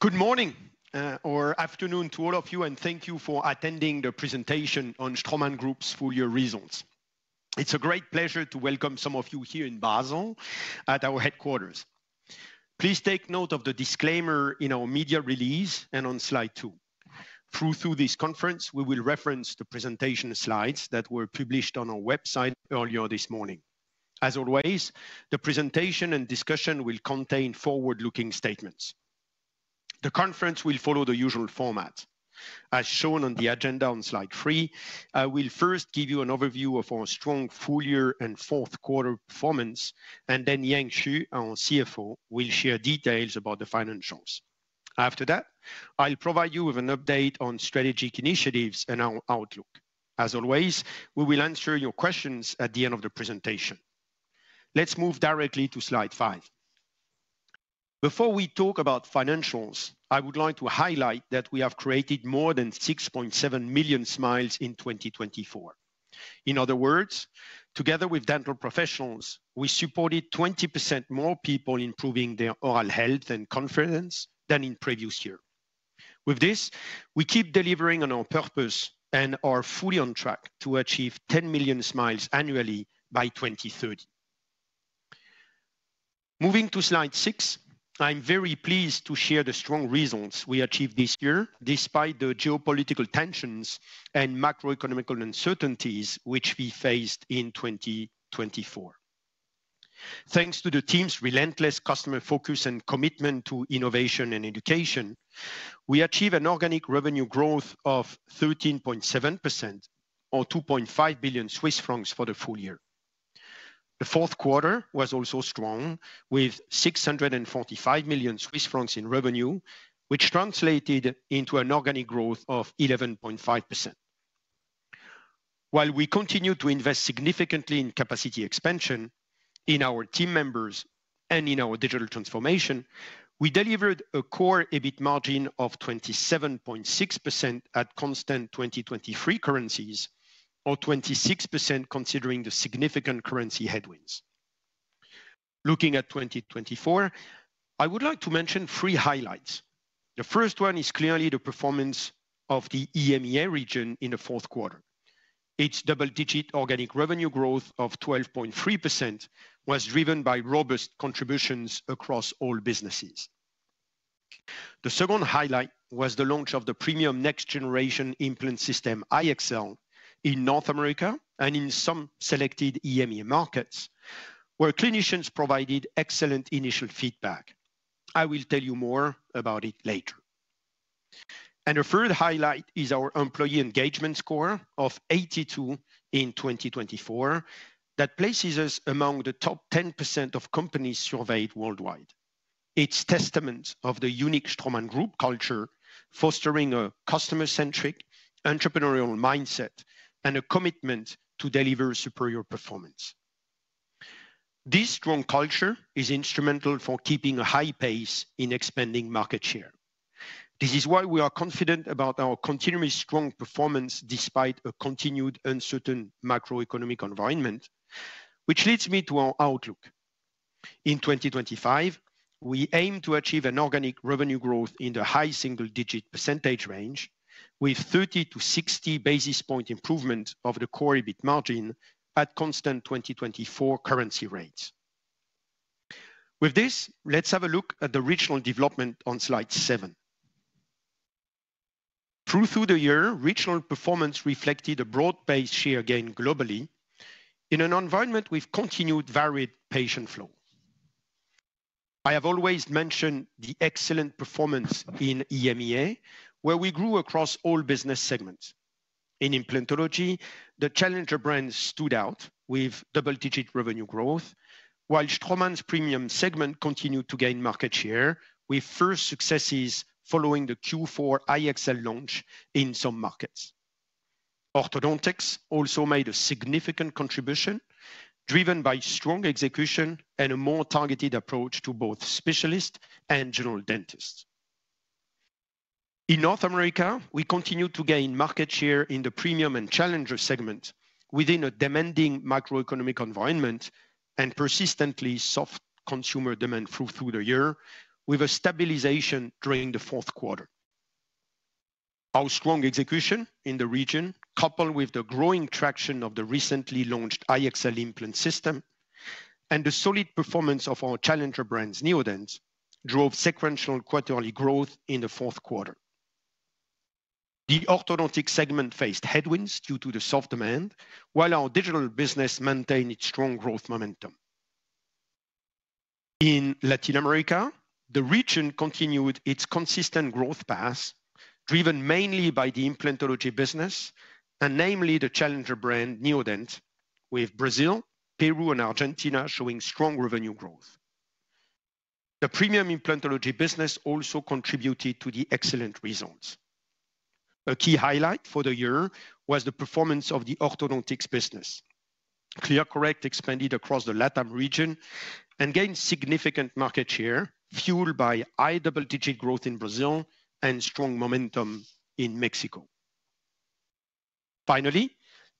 Good morning, or afternoon to all of you, and thank you for attending the presentation on Straumann Group's Full Year Results. It's a great pleasure to welcome some of you here in Basel at our headquarters. Please take note of the disclaimer in our media release and on slide two. Through this conference, we will reference the presentation slides that were published on our website earlier this morning. As always, the presentation and discussion will contain forward-looking statements. The conference will follow the usual format. As shown on the agenda on slide three, I will first give you an overview of our strong full-year and fourth-quarter performance, and then Yang Xu, our CFO, will share details about the financials. After that, I'll provide you with an update on strategic initiatives and our outlook. As always, we will answer your questions at the end of the presentation. Let's move directly to slide five. Before we talk about financials, I would like to highlight that we have created more than 6.7 million smiles in 2024. In other words, together with dental professionals, we supported 20% more people improving their oral health and confidence than in previous years. With this, we keep delivering on our purpose and are fully on track to achieve 10 million smiles annually by 2030. Moving to slide six, I'm very pleased to share the strong results we achieved this year despite the geopolitical tensions and macroeconomic uncertainties which we faced in 2024. Thanks to the team's relentless customer focus and commitment to innovation and education, we achieved an organic revenue growth of 13.7%, or 2.5 billion Swiss francs for the full year. The fourth quarter was also strong, with 645 million Swiss francs in revenue, which translated into an organic growth of 11.5%. While we continue to invest significantly in capacity expansion, in our team members, and in our digital transformation, we delivered a core EBIT margin of 27.6% at constant 2023 currencies, or 26% considering the significant currency headwinds. Looking at 2024, I would like to mention three highlights. The first one is clearly the performance of the EMEA region in the fourth quarter. Its double-digit organic revenue growth of 12.3% was driven by robust contributions across all businesses. The second highlight was the launch of the premium next-generation implant system, iEXCEL, in North America and in some selected EMEA markets, where clinicians provided excellent initial feedback. I will tell you more about it later. The third highlight is our employee engagement score of 82 in 2024 that places us among the top 10% of companies surveyed worldwide. It's a testament to the unique Straumann Group culture, fostering a customer-centric, entrepreneurial mindset, and a commitment to deliver superior performance. This strong culture is instrumental for keeping a high pace in expanding market share. This is why we are confident about our continuous strong performance despite a continued uncertain macroeconomic environment, which leads me to our outlook. In 2025, we aim to achieve an organic revenue growth in the high single-digit percentage range, with 30 to 60 basis point improvement of the core EBIT margin at constant 2024 currency rates. With this, let's have a look at the regional development on slide seven. Through the year, regional performance reflected a broad-based share gain globally in an environment with continued varied patient flow. I have always mentioned the excellent performance in EMEA, where we grew across all business segments. In implantology, the challenger brand stood out with double-digit revenue growth, while Straumann's premium segment continued to gain market share with first successes following the Q4 iEXCEL launch in some markets. Orthodontics also made a significant contribution, driven by strong execution and a more targeted approach to both specialists and general dentists. In North America, we continue to gain market share in the premium and challenger segments within a demanding macroeconomic environment and persistently soft consumer demand through the year, with a stabilization during the fourth quarter. Our strong execution in the region, coupled with the growing traction of the recently launched iEXCEL implant system, and the solid performance of our challenger brand, Neodent, drove sequential quarterly growth in the fourth quarter. The orthodontic segment faced headwinds due to the soft demand, while our digital business maintained its strong growth momentum. In Latin America, the region continued its consistent growth path, driven mainly by the implantology business, and namely the challenger brand Neodent, with Brazil, Peru, and Argentina showing strong revenue growth. The premium implantology business also contributed to the excellent results. A key highlight for the year was the performance of the orthodontics business. ClearCorrect expanded across the LATAM region and gained significant market share, fueled by high double-digit growth in Brazil and strong momentum in Mexico. Finally,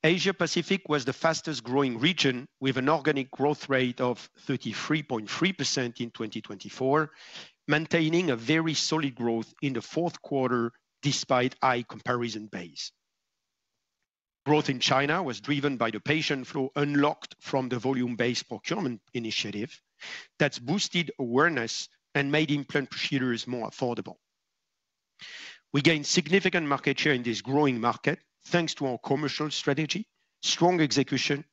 Asia-Pacific was the fastest-growing region, with an organic growth rate of 33.3% in 2024, maintaining very solid growth in the fourth quarter despite high comparison base. Growth in China was driven by the patient flow unlocked from the volume-based procurement initiative that boosted awareness and made implant procedures more affordable. We gained significant market share in this growing market thanks to our commercial strategy, strong execution,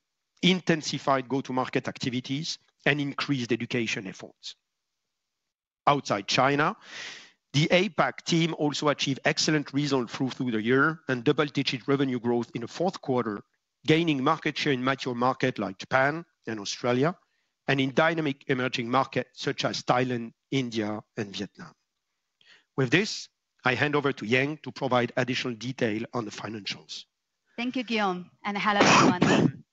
intensified go-to-market activities, and increased education efforts. Outside China, the APAC team also achieved excellent results through the year and double-digit revenue growth in the fourth quarter, gaining market share in major markets like Japan and Australia, and in dynamic emerging markets such as Thailand, India, and Vietnam. With this, I hand over to Yang to provide additional detail on the financials. Thank you, Guillaume, and hello, everyone.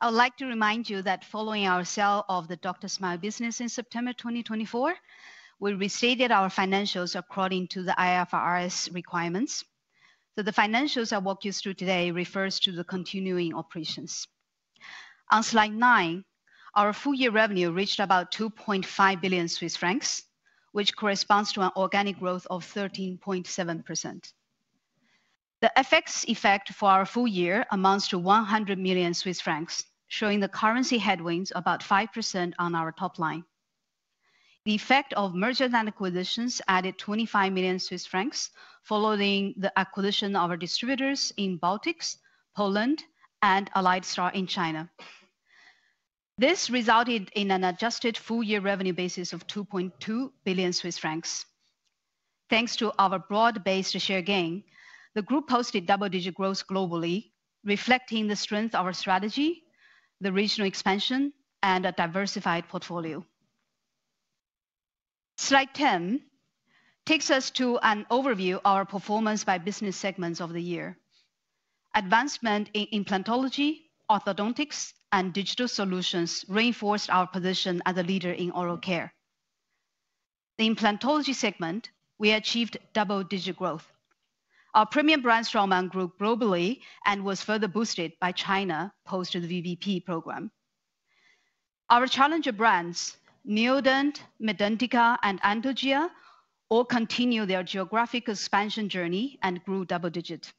I would like to remind you that following our sale of the DrSmile business in September 2024, we restated our financials according to the IFRS requirements. So the financials I walk you through today refers to the continuing operations. On slide nine, our full-year revenue reached about 2.5 billion Swiss francs, which corresponds to an organic growth of 13.7%. The FX effect for our full year amounts to 100 million Swiss francs, showing the currency headwinds about 5% on our top line. The effect of mergers and acquisitions added 25 million Swiss francs following the acquisition of our distributors in Baltics, Poland, and Alliedstar in China. This resulted in an adjusted full-year revenue basis of 2.2 billion Swiss francs. Thanks to our broad-based share gain, the group posted double-digit growth globally, reflecting the strength of our strategy, the regional expansion, and a diversified portfolio. Slide 10 takes us to an overview of our performance by business segments of the year. Advancement in implantology, orthodontics, and digital solutions reinforced our position as a leader in oral care. In the implantology segment, we achieved double-digit growth. Our premium brand Straumann Group globally was further boosted by China post the VBP program. Our challenger brands, Neodent, Medentika, and Anthogyr, all continued their geographic expansion journey and grew double-digit.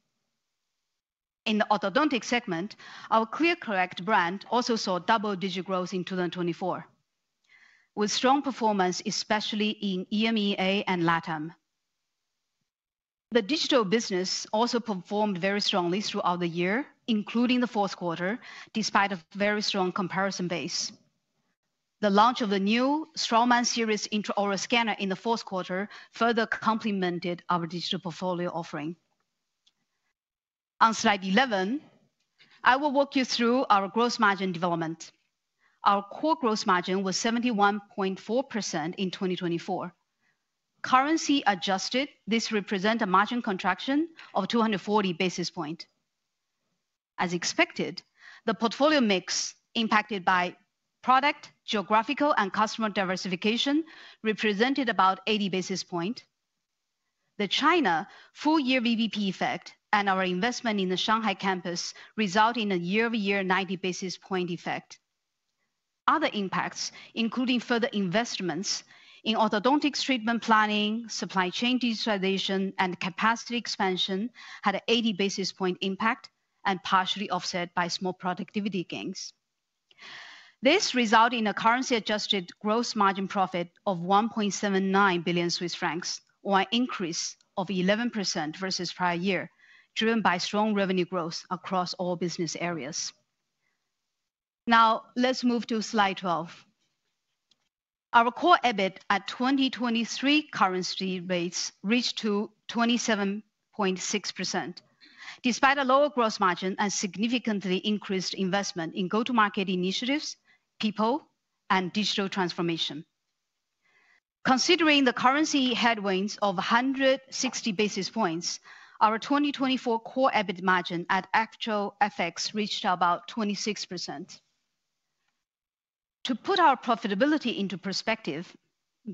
In the orthodontic segment, our ClearCorrect brand also saw double-digit growth in 2024, with strong performance, especially in EMEA and LATAM. The digital business also performed very strongly throughout the year, including the fourth quarter, despite a very strong comparison base. The launch of the new Straumann SIRIOS intraoral scanner in the fourth quarter further complemented our digital portfolio offering. On slide 11, I will walk you through our gross margin development. Our core gross margin was 71.4% in 2024. Currency adjusted, this represents a margin contraction of 240 basis points. As expected, the portfolio mix impacted by product, geographical, and customer diversification represented about 80 basis points. The China full-year VBP effect and our investment in the Shanghai campus resulted in a year-over-year 90 basis point effect. Other impacts, including further investments in orthodontics treatment planning, supply chain digitization, and capacity expansion, had an 80 basis point impact and partially offset by small productivity gains. This resulted in a currency-adjusted gross margin profit of 1.79 billion Swiss francs, or an increase of 11% versus prior year, driven by strong revenue growth across all business areas. Now, let's move to slide 12. Our core EBIT at 2023 currency rates reached 27.6%, despite a lower gross margin and significantly increased investment in go-to-market initiatives, people, and digital transformation. Considering the currency headwinds of 160 basis points, our 2024 core EBIT margin at actual FX reached about 26%. To put our profitability into perspective,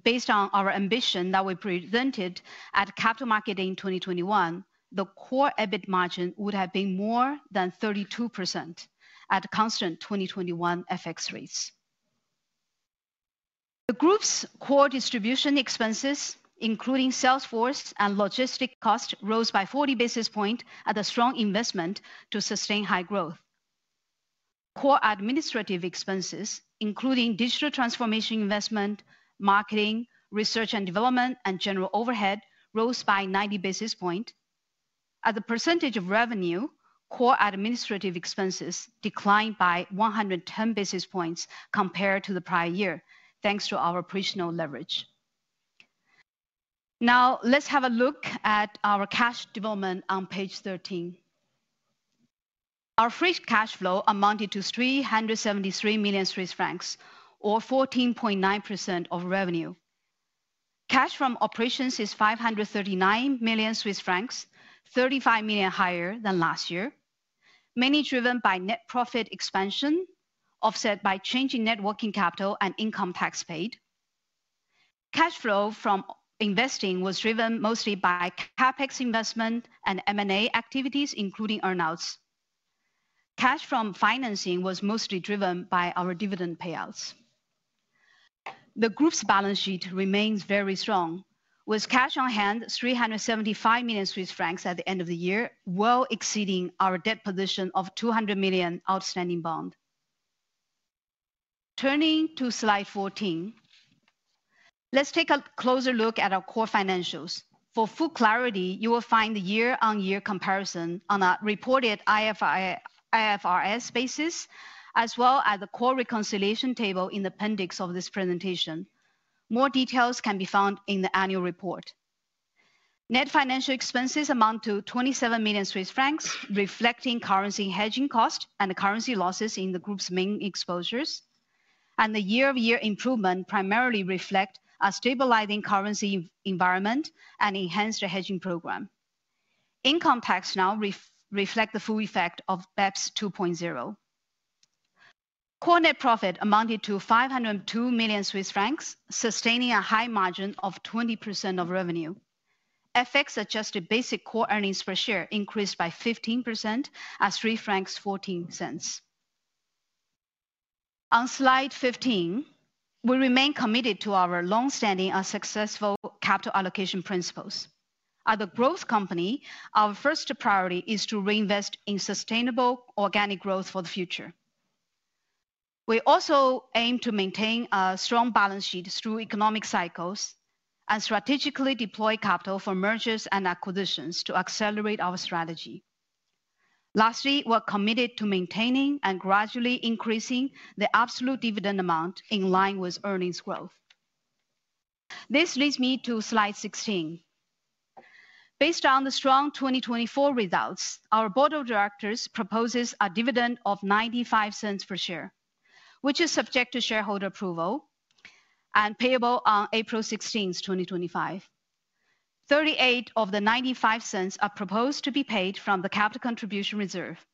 based on our ambition that we presented at Capital Market Day in 2021, the core EBIT margin would have been more than 32% at constant 2021 FX rates. The group's core distribution expenses, including sales force and logistic costs, rose by 40 basis points at a strong investment to sustain high growth. Core administrative expenses, including digital transformation investment, marketing, R&D, and general overhead, rose by 90 basis points. At the percentage of revenue, core administrative expenses declined by 110 basis points compared to the prior year, thanks to our operational leverage. Now, let's have a look at our cash development on page 13. Our free cash flow amounted to 373 million Swiss francs, or 14.9% of revenue. Cash from operations is 539 million Swiss francs, 35 million higher than last year, mainly driven by net profit expansion, offset by changing working capital and income tax paid. Cash flow from investing was driven mostly by CapEx investment and M&A activities, including earnouts. Cash from financing was mostly driven by our dividend payouts. The group's balance sheet remains very strong, with cash on hand 375 million Swiss francs at the end of the year, well exceeding our debt position of 200 million outstanding bond. Turning to slide 14, let's take a closer look at our core financials. For full clarity, you will find the year-on-year comparison on a reported IFRS basis, as well as the core reconciliation table in the appendix of this presentation. More details can be found in the annual report. Net financial expenses amount to 27 million Swiss francs, reflecting currency hedging costs and the currency losses in the group's main exposures. The year-over-year improvement primarily reflects a stabilizing currency environment and enhanced hedging program. Income tax now reflects the full effect of BEPS 2.0. Core net profit amounted to 502 million Swiss francs, sustaining a high margin of 20% of revenue. FX adjusted basic core earnings per share increased by 15% at 3.14 francs. On slide 15, we remain committed to our long-standing and successful capital allocation principles. As a growth company, our first priority is to reinvest in sustainable organic growth for the future. We also aim to maintain a strong balance sheet through economic cycles and strategically deploy capital for mergers and acquisitions to accelerate our strategy. Lastly, we're committed to maintaining and gradually increasing the absolute dividend amount in line with earnings growth. This leads me to slide 16. Based on the strong 2024 results, our board of directors proposes a dividend of 0.95 per share, which is subject to shareholder approval and payable on April 16, 2025. 0.38 of the 0.95 are proposed to be paid from the capital contribution reserve.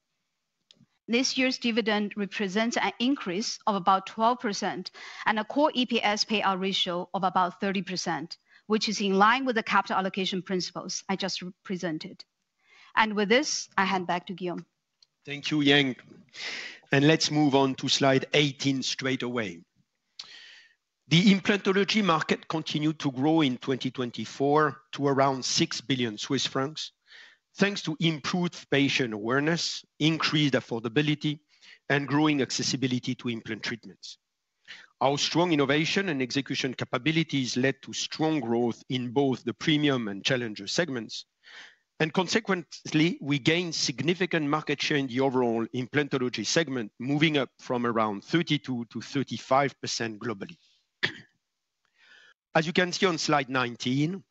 This year's dividend represents an increase of about 12% and a core EPS payout ratio of about 30%, which is in line with the capital allocation principles I just presented. With this, I hand back to Guillaume. Thank you, Yang. Let's move on to slide 18 straight away. The implantology market continued to grow in 2024 to around 6 billion Swiss francs, thanks to improved patient awareness, increased affordability, and growing accessibility to implant treatments. Our strong innovation and execution capabilities led to strong growth in both the premium and challenger segments. Consequently, we gained significant market share in the overall implantology segment, moving up from around 32% to 35% globally. As you can see on slide 19,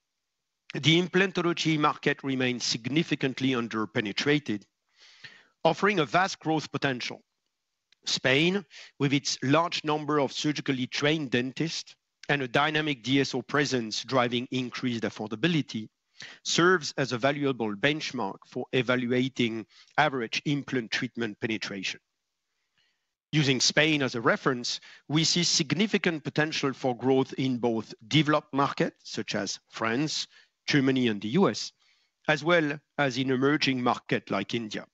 the implantology market remains significantly under-penetrated, offering vast growth potential. Spain, with its large number of surgically trained dentists and a dynamic DSO presence driving increased affordability, serves as a valuable benchmark for evaluating average implant treatment penetration. Using Spain as a reference, we see significant potential for growth in both developed markets such as France, Germany, and the U.S., as well as in emerging markets like India.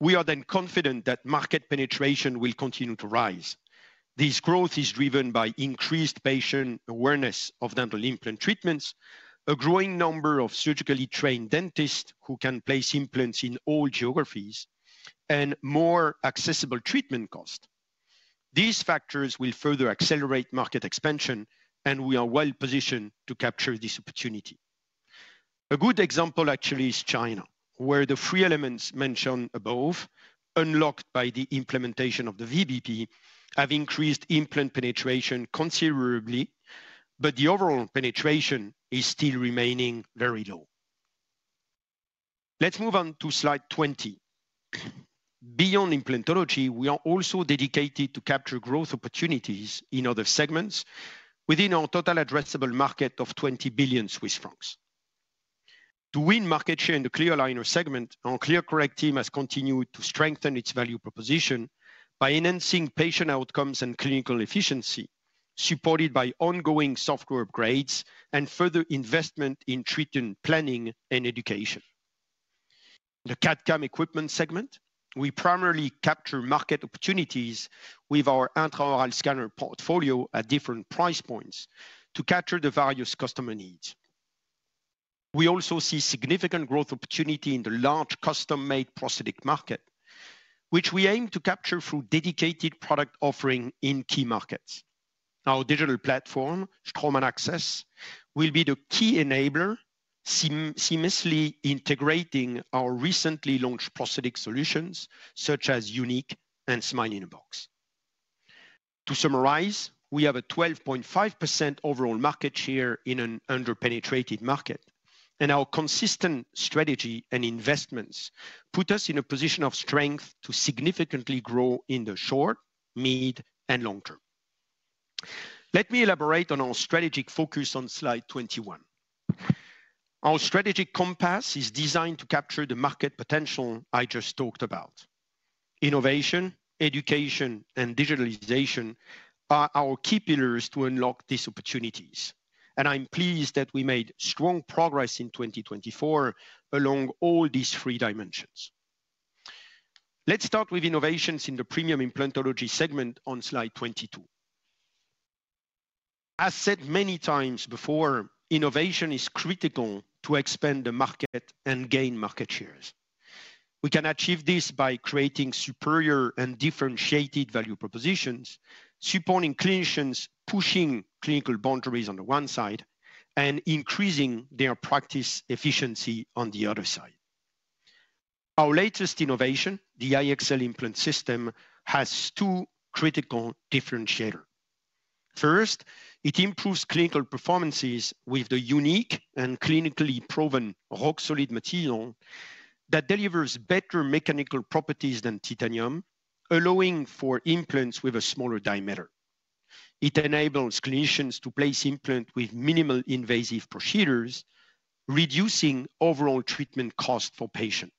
We are confident that market penetration will continue to rise. This growth is driven by increased patient awareness of dental implant treatments, a growing number of surgically trained dentists who can place implants in all geographies, and more accessible treatment costs. These factors will further accelerate market expansion, and we are well positioned to capture this opportunity. A good example is China, where the three elements mentioned above, unlocked by the implementation of the VBP, have increased implant penetration considerably, but the overall penetration is still remaining very low. Let's move on to slide 20. Beyond implantology, we are also dedicated to capture growth opportunities in other segments within our total addressable market of 20 billion Swiss francs. To win market share in the Clear Aligner segment, our ClearCorrect team has continued to strengthen its value proposition by enhancing patient outcomes and clinical efficiency, supported by ongoing software upgrades and further investment in treatment planning and education. In the CAD/CAM equipment segment, we primarily capture market opportunities with our intraoral scanner portfolio at different price points to capture the various customer needs. We also see significant growth opportunity in the large custom-made prosthetic market, which we aim to capture through dedicated product offering in key markets. Our digital platform, Straumann AXS, will be the key enabler, seamlessly integrating our recently launched prosthetic solutions such as Unique and Smile in a Box. To summarize, we have a 12.5% overall market share in an under-penetrated market, and our consistent strategy and investments put us in a position of strength to significantly grow in the short, mid, and long term. Let me elaborate on our strategic focus on slide 21. Our strategic compass is designed to capture the market potential I just talked about. Innovation, education, and digitalization are our key pillars to unlock these opportunities. I'm pleased that we made strong progress in 2024 along all these three dimensions. Let's start with innovations in the premium implantology segment on slide 22. As said many times before, innovation is critical to expand the market and gain market shares. We can achieve this by creating superior and differentiated value propositions, supporting clinicians pushing clinical boundaries on the one side and increasing their practice efficiency on the other side. Our latest innovation, the iEXCEL implant system, has two critical differentiators. First, it improves clinical performances with the unique and clinically proven rock-solid material that delivers better mechanical properties than titanium, allowing for implants with a smaller diameter. It enables clinicians to place implants with minimal invasive procedures, reducing overall treatment cost for patients.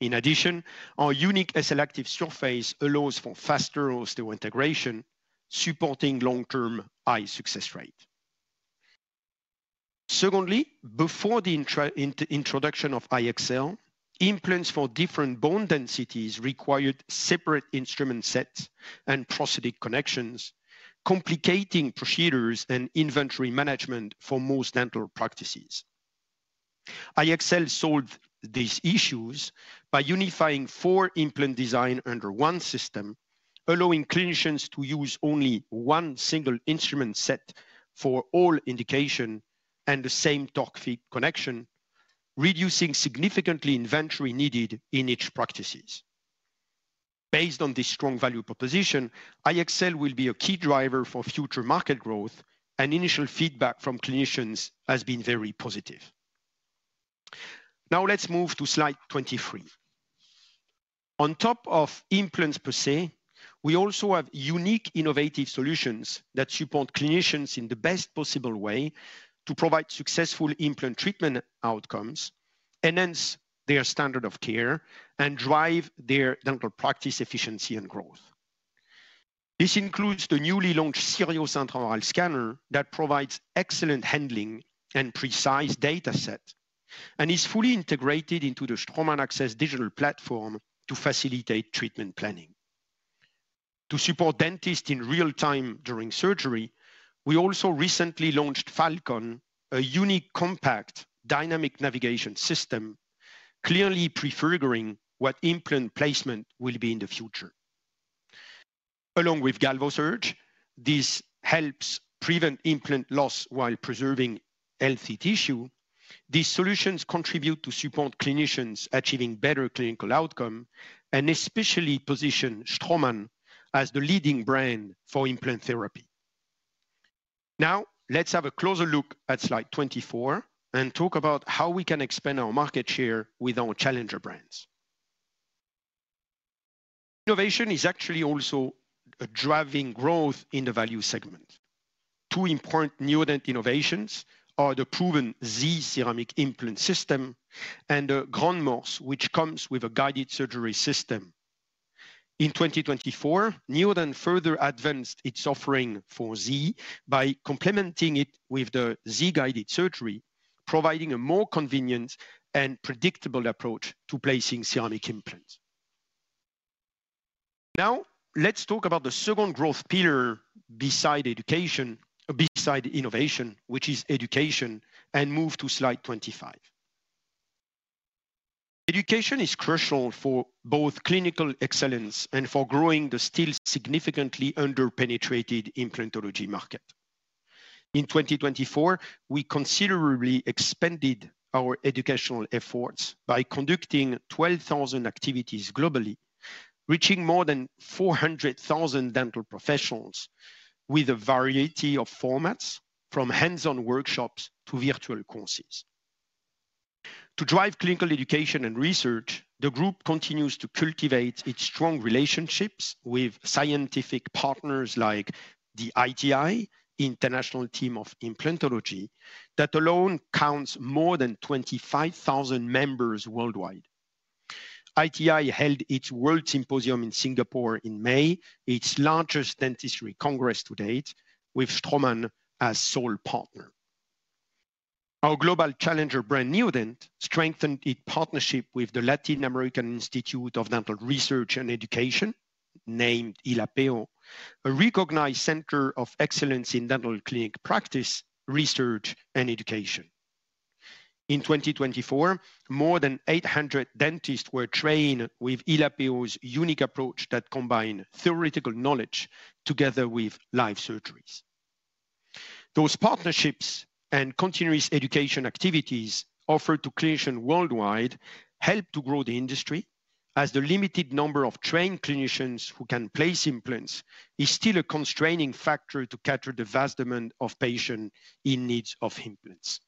In addition, our unique SL-active surface allows for faster osteointegration, supporting long-term high success rate. Secondly, before the introduction of iEXCEL, implants for different bone densities required separate instrument sets and prosthetic connections, complicating procedures and inventory management for most dental practices. iEXCEL solved these issues by unifying four implant designs under one system, allowing clinicians to use only one single instrument set for all indications and the same torque feed connection, reducing significantly inventory needed in each practice. Based on this strong value proposition, iEXCEL will be a key driver for future market growth, and initial feedback from clinicians has been very positive. Now, let's move to slide 23. On top of implants per se, we also have unique innovative solutions that support clinicians in the best possible way to provide successful implant treatment outcomes, enhance their standard of care, and drive their dental practice efficiency and growth. This includes the newly launched SIRIOS Intraoral Scanner that provides excellent handling and precise data sets and is fully integrated into the Straumann AXS digital platform to facilitate treatment planning. To support dentists in real time during surgery, we also recently launched Falcon, a unique compact dynamic navigation system, clearly prefiguring what implant placement will be in the future. Along with GalvoSurge, this helps prevent implant loss while preserving healthy tissue. These solutions contribute to support clinicians achieving better clinical outcomes and especially position Straumann as the leading brand for implant therapy. Now, let's have a closer look at slide 24 and talk about how we can expand our market share with our challenger brands. Innovation is actually also driving growth in the value segment. Two important Neodent innovations are the proven Zi ceramic implant system and the Grand Morse, which comes with a guided surgery system. In 2024, Neodent further advanced its offering for Zi by complementing it with the Zi-guided surgery, providing a more convenient and predictable approach to placing ceramic implants. Now, let's talk about the second growth pillar beside innovation, which is education, and move to slide 25. Education is crucial for both clinical excellence and for growing the still significantly under-penetrated implantology market. In 2024, we considerably expanded our educational efforts by conducting 12,000 activities globally, reaching more than 400,000 dental professionals with a variety of formats, from hands-on workshops to virtual courses. To drive clinical education and research, the group continues to cultivate its strong relationships with scientific partners like the ITI-International Team for Implantology, that alone counts more than 25,000 members worldwide. ITI held its World Symposium in Singapore in May, its largest dentistry congress to date, with Straumann as sole partner. Our global challenger brand, Neodent, strengthened its partnership with the Latin American Institute of Dental Research and Education, named ILAPEO, a recognized center of excellence in dental clinic practice, research, and education. In 2024, more than 800 dentists were trained with ILAPEO's unique approach that combines theoretical knowledge together with live surgeries. Those partnerships and continuous education activities offered to clinicians worldwide help to grow the industry, as the limited number of trained clinicians who can place implants is still a constraining factor to capture the vast demand of patients in need of implants.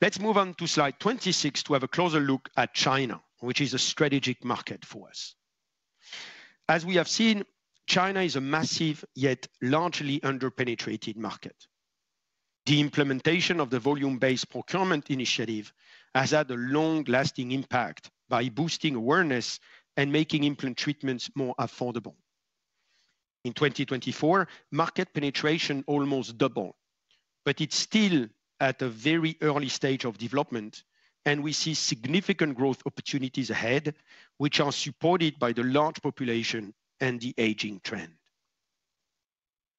Let's move on to slide 26 to have a closer look at China, which is a strategic market for us. As we have seen, China is a massive yet largely under-penetrated market. The implementation of the Volume-Based Procurement Initiative has had a long-lasting impact by boosting awareness and making implant treatments more affordable. In 2024, market penetration almost doubled, but it's still at a very early stage of development, and we see significant growth opportunities ahead, which are supported by the large population and the aging trend.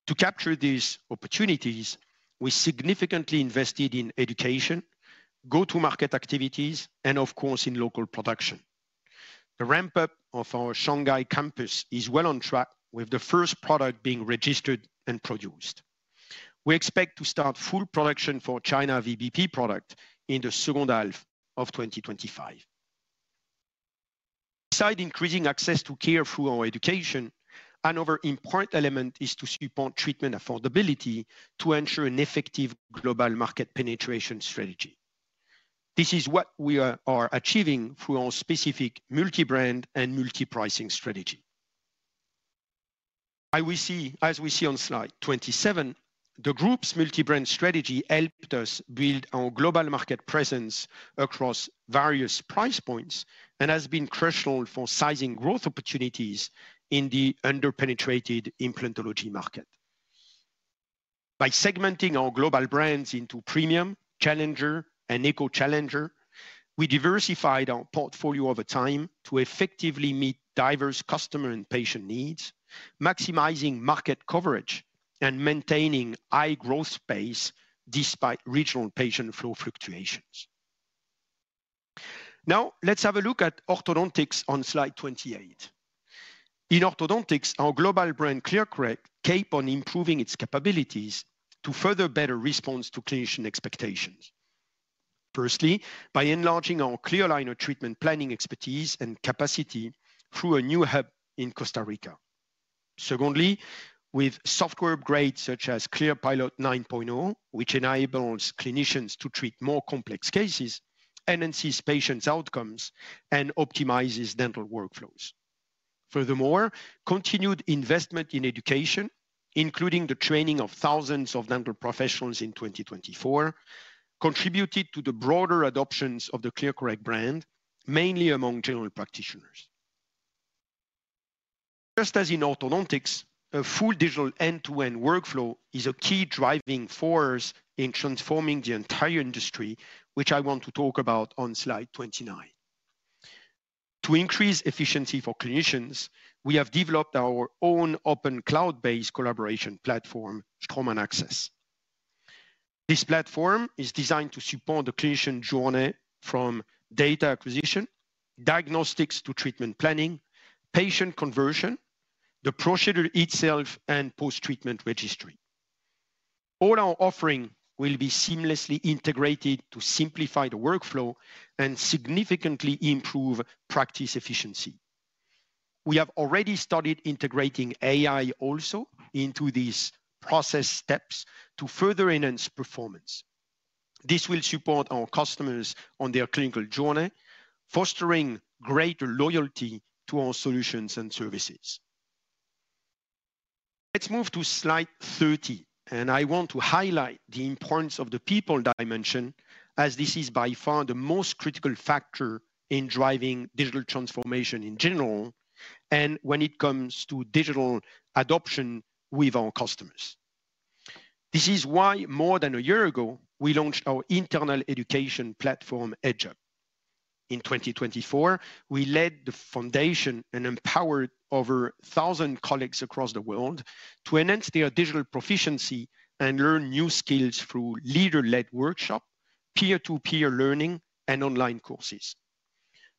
To capture these opportunities, we significantly invested in education, go-to-market activities, and, of course, in local production. The ramp-up of our Shanghai campus is well on track, with the first product being registered and produced. We expect to start full production for China VBP product in the second half of 2025. Besides increasing access to care through our education, another important element is to support treatment affordability to ensure an effective global market penetration strategy. This is what we are achieving through our specific multi-brand and multi-pricing strategy. As we see on slide 27, the group's multi-brand strategy helped us build our global market presence across various price points and has been crucial for sizing growth opportunities in the under-penetrated implantology market. By segmenting our global brands into premium, challenger, and eco-challenger, we diversified our portfolio over time to effectively meet diverse customer and patient needs, maximizing market coverage and maintaining high growth pace despite regional patient flow fluctuations. Now, let's have a look at orthodontics on slide 28. In orthodontics, our global brand, ClearCorrect, keeps on improving its capabilities to further better respond to clinician expectations. Firstly, by enlarging our Clear Aligner treatment planning expertise and capacity through a new hub in Costa Rica. Secondly, with software upgrades such as ClearPilot 9.0, which enables clinicians to treat more complex cases and enhance patients' outcomes and optimize dental workflows. Furthermore, continued investment in education, including the training of thousands of dental professionals in 2024, contributed to the broader adoption of the ClearCorrect brand, mainly among general practitioners. Just as in orthodontics, a full digital end-to-end workflow is a key driving force in transforming the entire industry, which I want to talk about on slide 29. To increase efficiency for clinicians, we have developed our own open cloud-based collaboration platform, Straumann AXS. This platform is designed to support the clinician journey from data acquisition, diagnostics to treatment planning, patient conversion, the procedure itself, and post-treatment registry. All our offerings will be seamlessly integrated to simplify the workflow and significantly improve practice efficiency. We have already started integrating AI also into these process steps to further enhance performance. This will support our customers on their clinical journey, fostering greater loyalty to our solutions and services. Let's move to slide 30, and I want to highlight the importance of the people dimension, as this is by far the most critical factor in driving digital transformation in general and when it comes to digital adoption with our customers. This is why more than a year ago, we launched our internal education platform, EdgeUp. In 2024, we led the foundation and empowered over 1,000 colleagues across the world to enhance their digital proficiency and learn new skills through leader-led workshops, peer-to-peer learning, and online courses.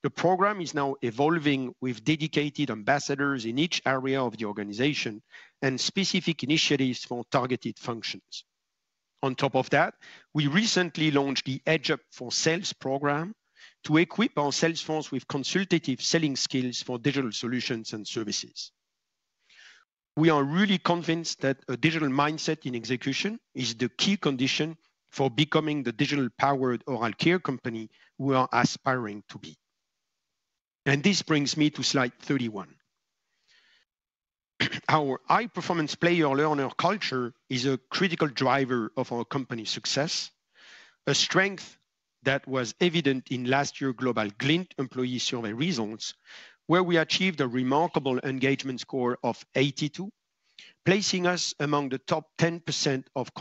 The program is now evolving with dedicated ambassadors in each area of the organization and specific initiatives for targeted functions. On top of that, we recently launched the EdgeUp for Sales program to equip our salesforce with consultative selling skills for digital solutions and services. We are really convinced that a digital mindset in execution is the key condition for becoming the digital-powered oral care company we are aspiring to be. This brings me to slide 31. Our high-performance player learner culture is a critical driver of our company's success, a strength that was evident in last year's Global Glint employee survey results, where we achieved a remarkable engagement score of 82%, placing us among the top 10% of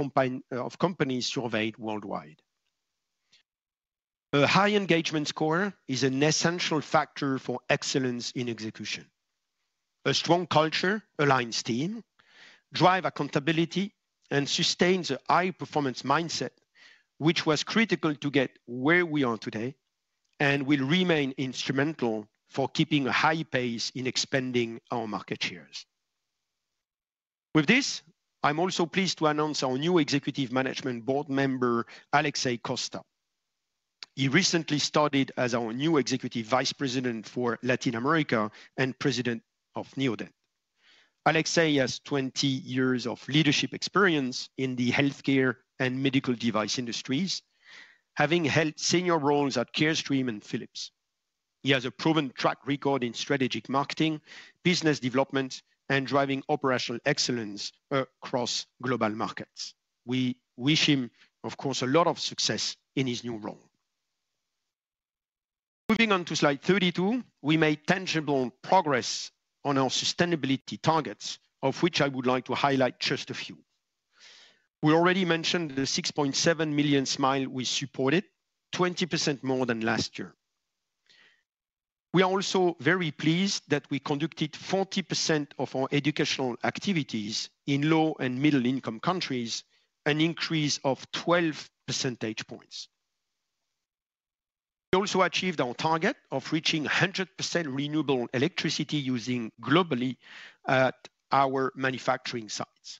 companies surveyed worldwide. A high engagement score is an essential factor for excellence in execution. A strong culture aligns teams, drives accountability, and sustains a high-performance mindset, which was critical to get where we are today and will remain instrumental for keeping a high pace in expanding our market shares. With this, I'm also pleased to announce our new Executive Management Board member, Alexei Costa. He recently started as our new Executive Vice President for Latin America and President of Neodent. Alexei has 20 years of leadership experience in the healthcare and medical device industries, having held senior roles at Carestream and Philips. He has a proven track record in strategic marketing, business development, and driving operational excellence across global markets. We wish him, of course, a lot of success in his new role. Moving on to slide 32, we made tangible progress on our sustainability targets, of which I would like to highlight just a few. We already mentioned the 6.7 million smiles we supported, 20% more than last year. We are also very pleased that we conducted 40% of our educational activities in low and middle-income countries, an increase of 12 percentage points. We also achieved our target of reaching 100% renewable electricity using globally at our manufacturing sites.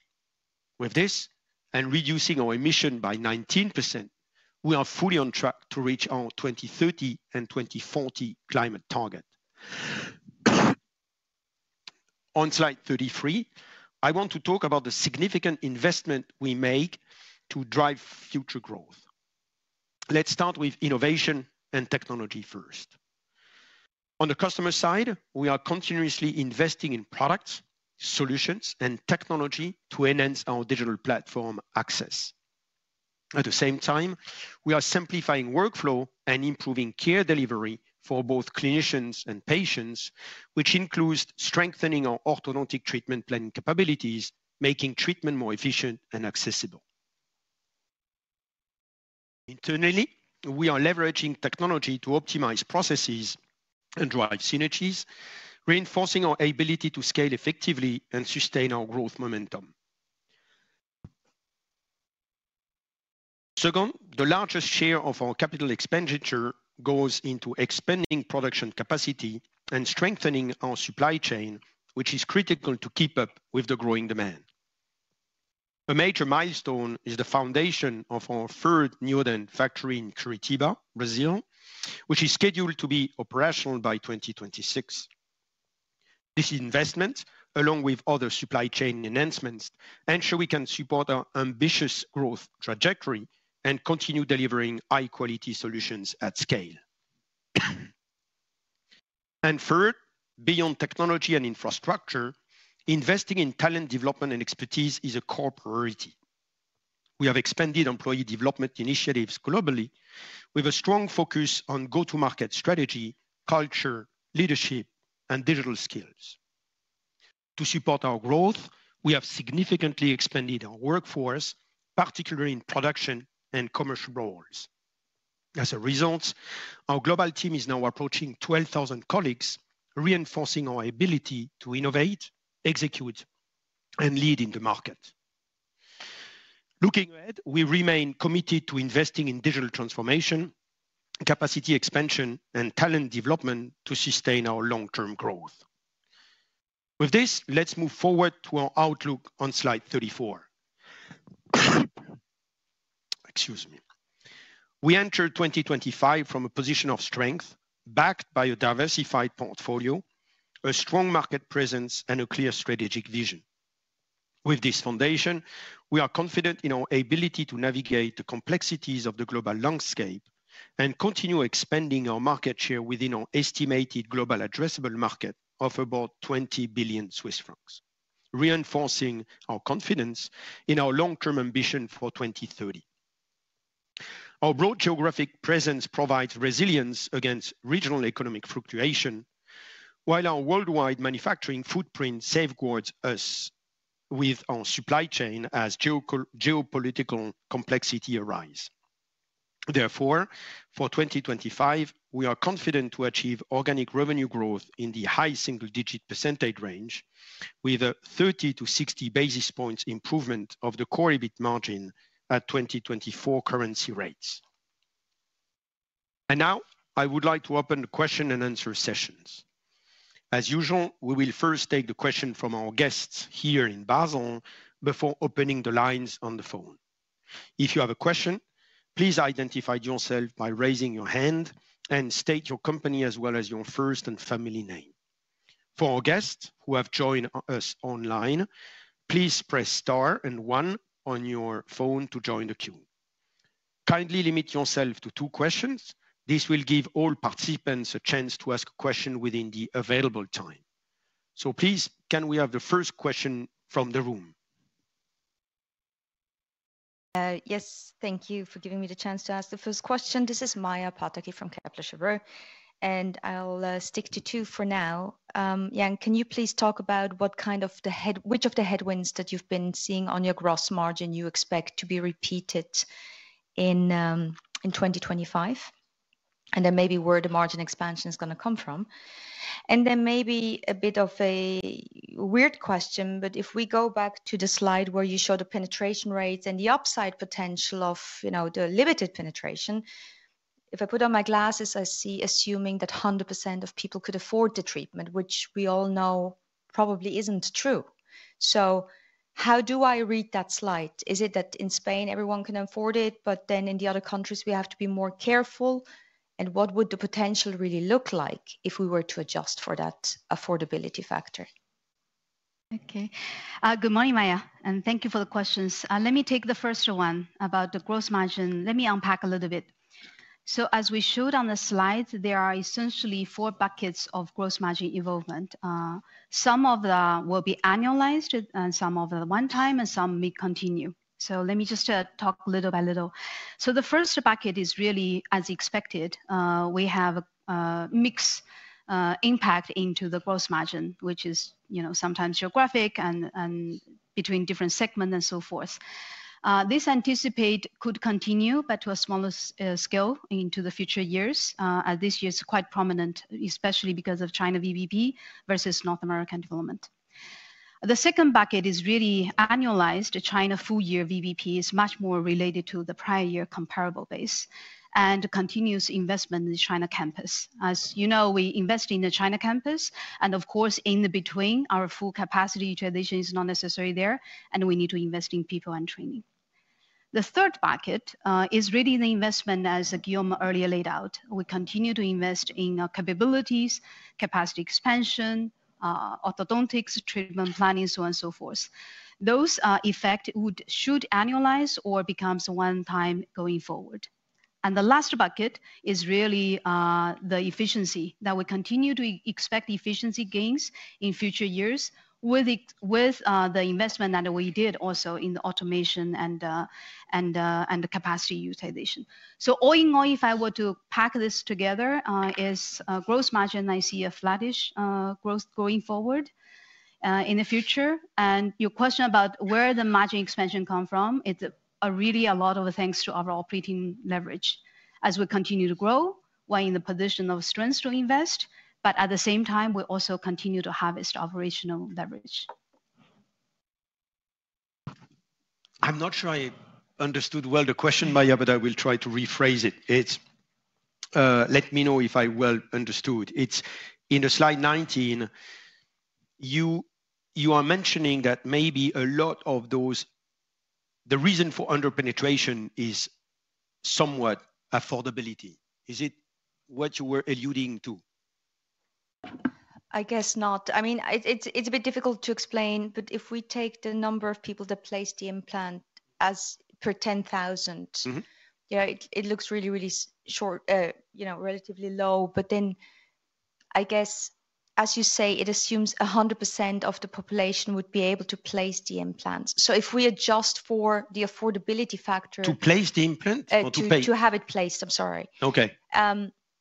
With this and reducing our emissions by 19%, we are fully on track to reach our 2030 and 2040 climate target. On slide 33, I want to talk about the significant investment we make to drive future growth. Let's start with innovation and technology first. On the customer side, we are continuously investing in products, solutions, and technology to enhance our digital platform access. At the same time, we are simplifying workflows and improving care delivery for both clinicians and patients, which includes strengthening our orthodontic treatment planning capabilities, making treatment more efficient and accessible. Internally, we are leveraging technology to optimize processes and drive synergies, reinforcing our ability to scale effectively and sustain our growth momentum. Second, the largest share of our capital expenditure goes into expanding production capacity and strengthening our supply chain, which is critical to keep up with the growing demand. A major milestone is the foundation of our third Neodent factory in Curitiba, Brazil, which is scheduled to be operational by 2026. This investment, along with other supply chain enhancements, ensures we can support our ambitious growth trajectory and continue delivering high-quality solutions at scale. Third, beyond technology and infrastructure, investing in talent development and expertise is a core priority. We have expanded employee development initiatives globally with a strong focus on go-to-market strategy, culture, leadership, and digital skills. To support our growth, we have significantly expanded our workforce, particularly in production and commercial roles. As a result, our global team is now approaching 12,000 colleagues, reinforcing our ability to innovate, execute, and lead in the market. Looking ahead, we remain committed to investing in digital transformation, capacity expansion, and talent development to sustain our long-term growth. With this, let's move forward to our outlook on slide 34. We enter 2025 from a position of strength, backed by a diversified portfolio, a strong market presence, and a clear strategic vision. With this foundation, we are confident in our ability to navigate the complexities of the global landscape and continue expanding our market share within our estimated global addressable market of about 20 billion Swiss francs, reinforcing our confidence in our long-term ambition for 2030. Our broad geographic presence provides resilience against regional economic fluctuation, while our worldwide manufacturing footprint safeguards us with our supply chain as geopolitical complexities arise. Therefore, for 2025, we are confident to achieve organic revenue growth in the high single-digit percentage range with a 30 to 60 basis points improvement of the core EBIT margin at 2024 currency rates. Now, I would like to open the question and answer sessions. As usual, we will first take the question from our guests here in Basel before opening the lines on the phone. If you have a question, please identify yourself by raising your hand and state your company as well as your first and family name. For our guests who have joined us online, please press * and 1 on your phone to join the queue. Kindly limit yourself to two questions. This will give all participants a chance to ask a question within the available time. Please, can we have the first question from the room? Yes, thank you for giving me the chance to ask the first question. This is Maja Pataki from Kepler Cheuvreux, and I'll stick to two for now. Jan, can you please talk about what kind of headwinds that you've been seeing on your gross margin you expect to be repeated in 2025, and then maybe where the margin expansion is going to come from? And then maybe a bit of a weird question, but if we go back to the slide where you show the penetration rates and the upside potential of the limited penetration, if I put on my glasses, I see assuming that 100% of people could afford the treatment, which we all know probably isn't true. So how do I read that slide? Is it that in Spain, everyone can afford it, but then in the other countries, we have to be more careful? What would the potential really look like if we were to adjust for that affordability factor? Good morning, Maja, and thank you for the questions. Let me take the first one about the gross margin. Let me unpack a little bit. As we showed on the slide, there are essentially four buckets of gross margin involvement. Some of them will be annualized, and some of them are one-time, and some may continue. Let me just talk little by little. The first bucket is really, as expected, we have a mixed impact into the gross margin, which is sometimes geographic and between different segments and so forth. This anticipate could continue, but to a smaller scale into the future years. This year is quite prominent, especially because of China VBP versus North American development. The second bucket is really annualized. The China full-year VBP is much more related to the prior year comparable base and continuous investment in the China campus. As you know, we invest in the China campus, and of course, in between, our full capacity utilization is not necessary there, and we need to invest in people and training. The third bucket is really the investment, as Guillaume earlier laid out. We continue to invest in capabilities, capacity expansion, orthodontics, treatment planning, and so on and so forth. Those effects should annualize or become one-time going forward. The last bucket is really the efficiency that we continue to expect efficiency gains in future years with the investment that we did also in the automation and the capacity utilization. All in all, if I were to pack this together, gross margin, I see a flattish growth going forward in the future. Your question about where the margin expansion comes from, it's really a lot of thanks to our operating leverage. As we continue to grow, we're in the position of strength to invest, but at the same time, we also continue to harvest operational leverage. I'm not sure I understood well the question, Maja, but I will try to rephrase it. Let me know if I well understood. In slide 19, you are mentioning that maybe a lot of those, the reason for underpenetration is somewhat affordability. Is it what you were alluding to? I guess not. I mean, it's a bit difficult to explain, but if we take the number of people that place the implant as per 10,000, it looks really short, relatively low. But then, I guess, as you say, it assumes 100% of the population would be able to place the implant. So if we adjust for the affordability factor. To place the implant or to pay? To have it placed, I'm sorry. Okay.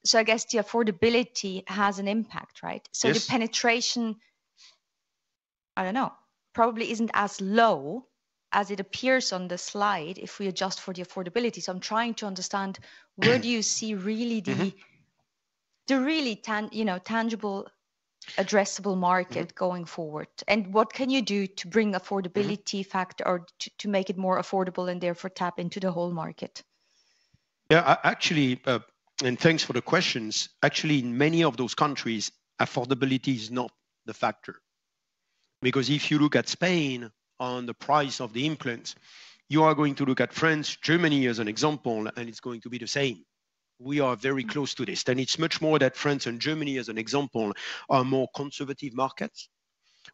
So I guess the affordability has an impact, right? So the penetration, I don't know, probably isn't as low as it appears on the slide if we adjust for the affordability. So I'm trying to understand where do you see the really tangible, addressable market going forward? What can you do to bring affordability factor or to make it more affordable and therefore tap into the whole market? Yeah, actually, and thanks for the questions. Actually, in many of those countries, affordability is not the factor. Because if you look at Spain on the price of the implants, you are going to look at France, Germany as an example, and it's going to be the same. We are very close to this. It's much more that France and Germany as an example are more conservative markets,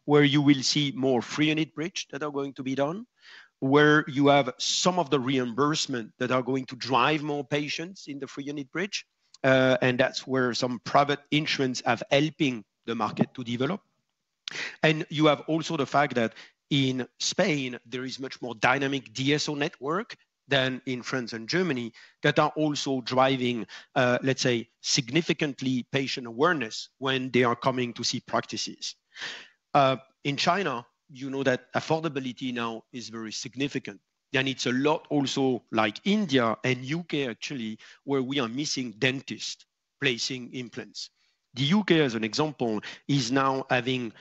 where you will see more three unit bridge that are going to be done, where you have some of the reimbursement that are going to drive more patients in the three unit bridge. That's where some private insurance are helping the market to develop. You have also the fact that in Spain, there is much more dynamic DSO network than in France and Germany that are also driving, let's say, significantly patient awareness when they are coming to see practices. In China, you know that affordability now is very significant. It's a lot also like India and UK, actually, where we are missing dentists placing implants. The UK, as an example, is now having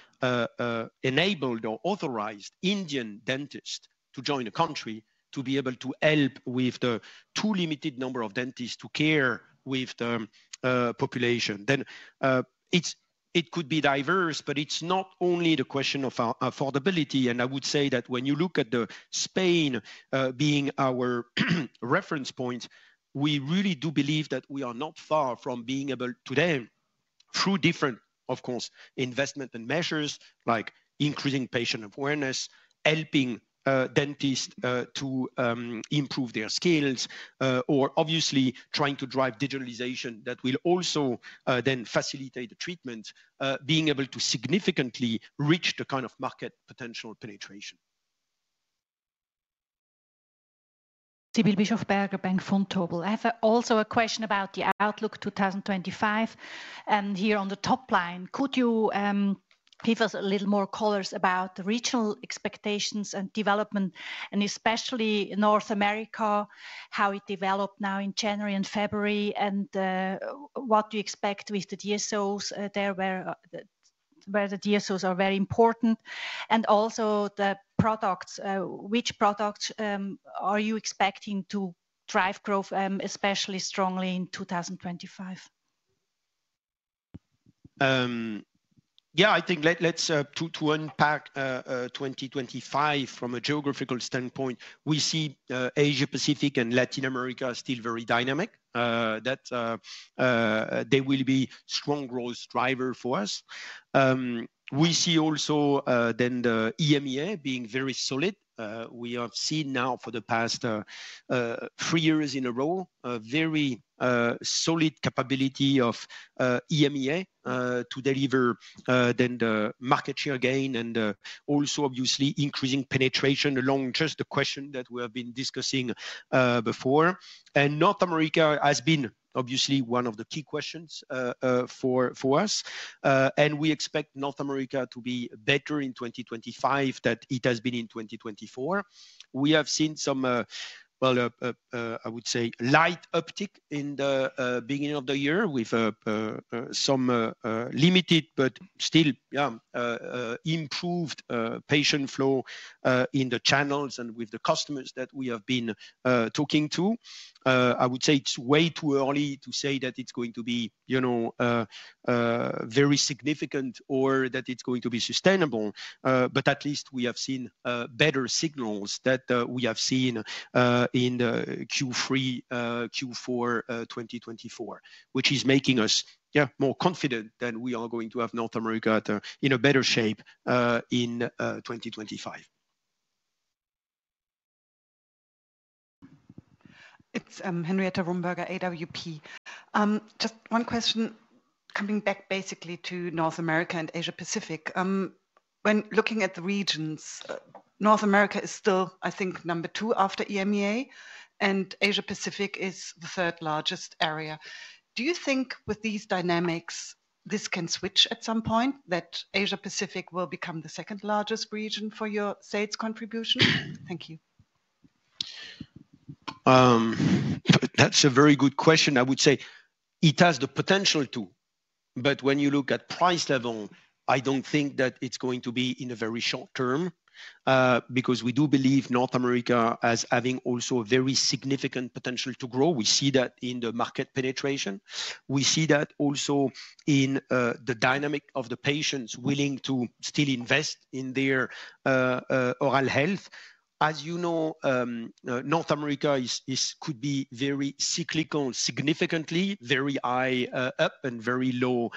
enabled or authorized Indian dentists to join the country to be able to help with the too limited number of dentists to care for the population. Then it could be diverse, but it's not only the question of affordability. I would say that when you look at Spain being our reference point, we really do believe that we are not far from being able today, through different, of course, investment and measures like increasing patient awareness, helping dentists to improve their skills, or obviously trying to drive digitalization that will also then facilitate the treatment, being able to significantly reach the kind of market potential penetration. Sibylle Bischofberger, Bank Vontobel. I have also a question about the outlook 2025. Here on the top line, could you give us a little more color about regional expectations and development, and especially North America, how it developed now in January and February, and what do you expect with the DSOs there where the DSOs are very important, and also the products, which products are you expecting to drive growth especially strongly in 2025? I think let's unpack 2025 from a geographical standpoint. We see Asia-Pacific and Latin America still very dynamic. They will be strong growth drivers for us. We see also the EMEA being very solid. We have seen now for the past three years in a row a very solid capability of EMEA to deliver the market share gain and also obviously increasing penetration along just the question that we have been discussing before. North America has been obviously one of the key questions for us. We expect North America to be better in 2025 than it has been in 2024. We have seen some light uptick in the beginning of the year with some limited but still improved patient flow in the channels and with the customers that we have been talking to. I would say it's way too early to say that it's going to be very significant or that it's going to be sustainable. At least we have seen better signals that we have seen in Q3, Q4 2024, which is making us more confident that we are going to have North America in a better shape in 2025. It's Henrietta Rumberger, AWP. Just one question coming back basically to North America and Asia-Pacific. When looking at the regions, North America is still, I think, number two after EMEA, and Asia-Pacific is the third largest area. Do you think with these dynamics, this can switch at some point that Asia-Pacific will become the second largest region for your state's contribution? Thank you. That's a very good question. I would say it has the potential to. But when you look at price level, I don't think that it's going to be in a very short term because we do believe North America has also a very significant potential to grow. We see that in the market penetration. We see that also in the dynamic of the patients willing to still invest in their oral health. As you know, North America could be very cyclical significantly, very high up and very low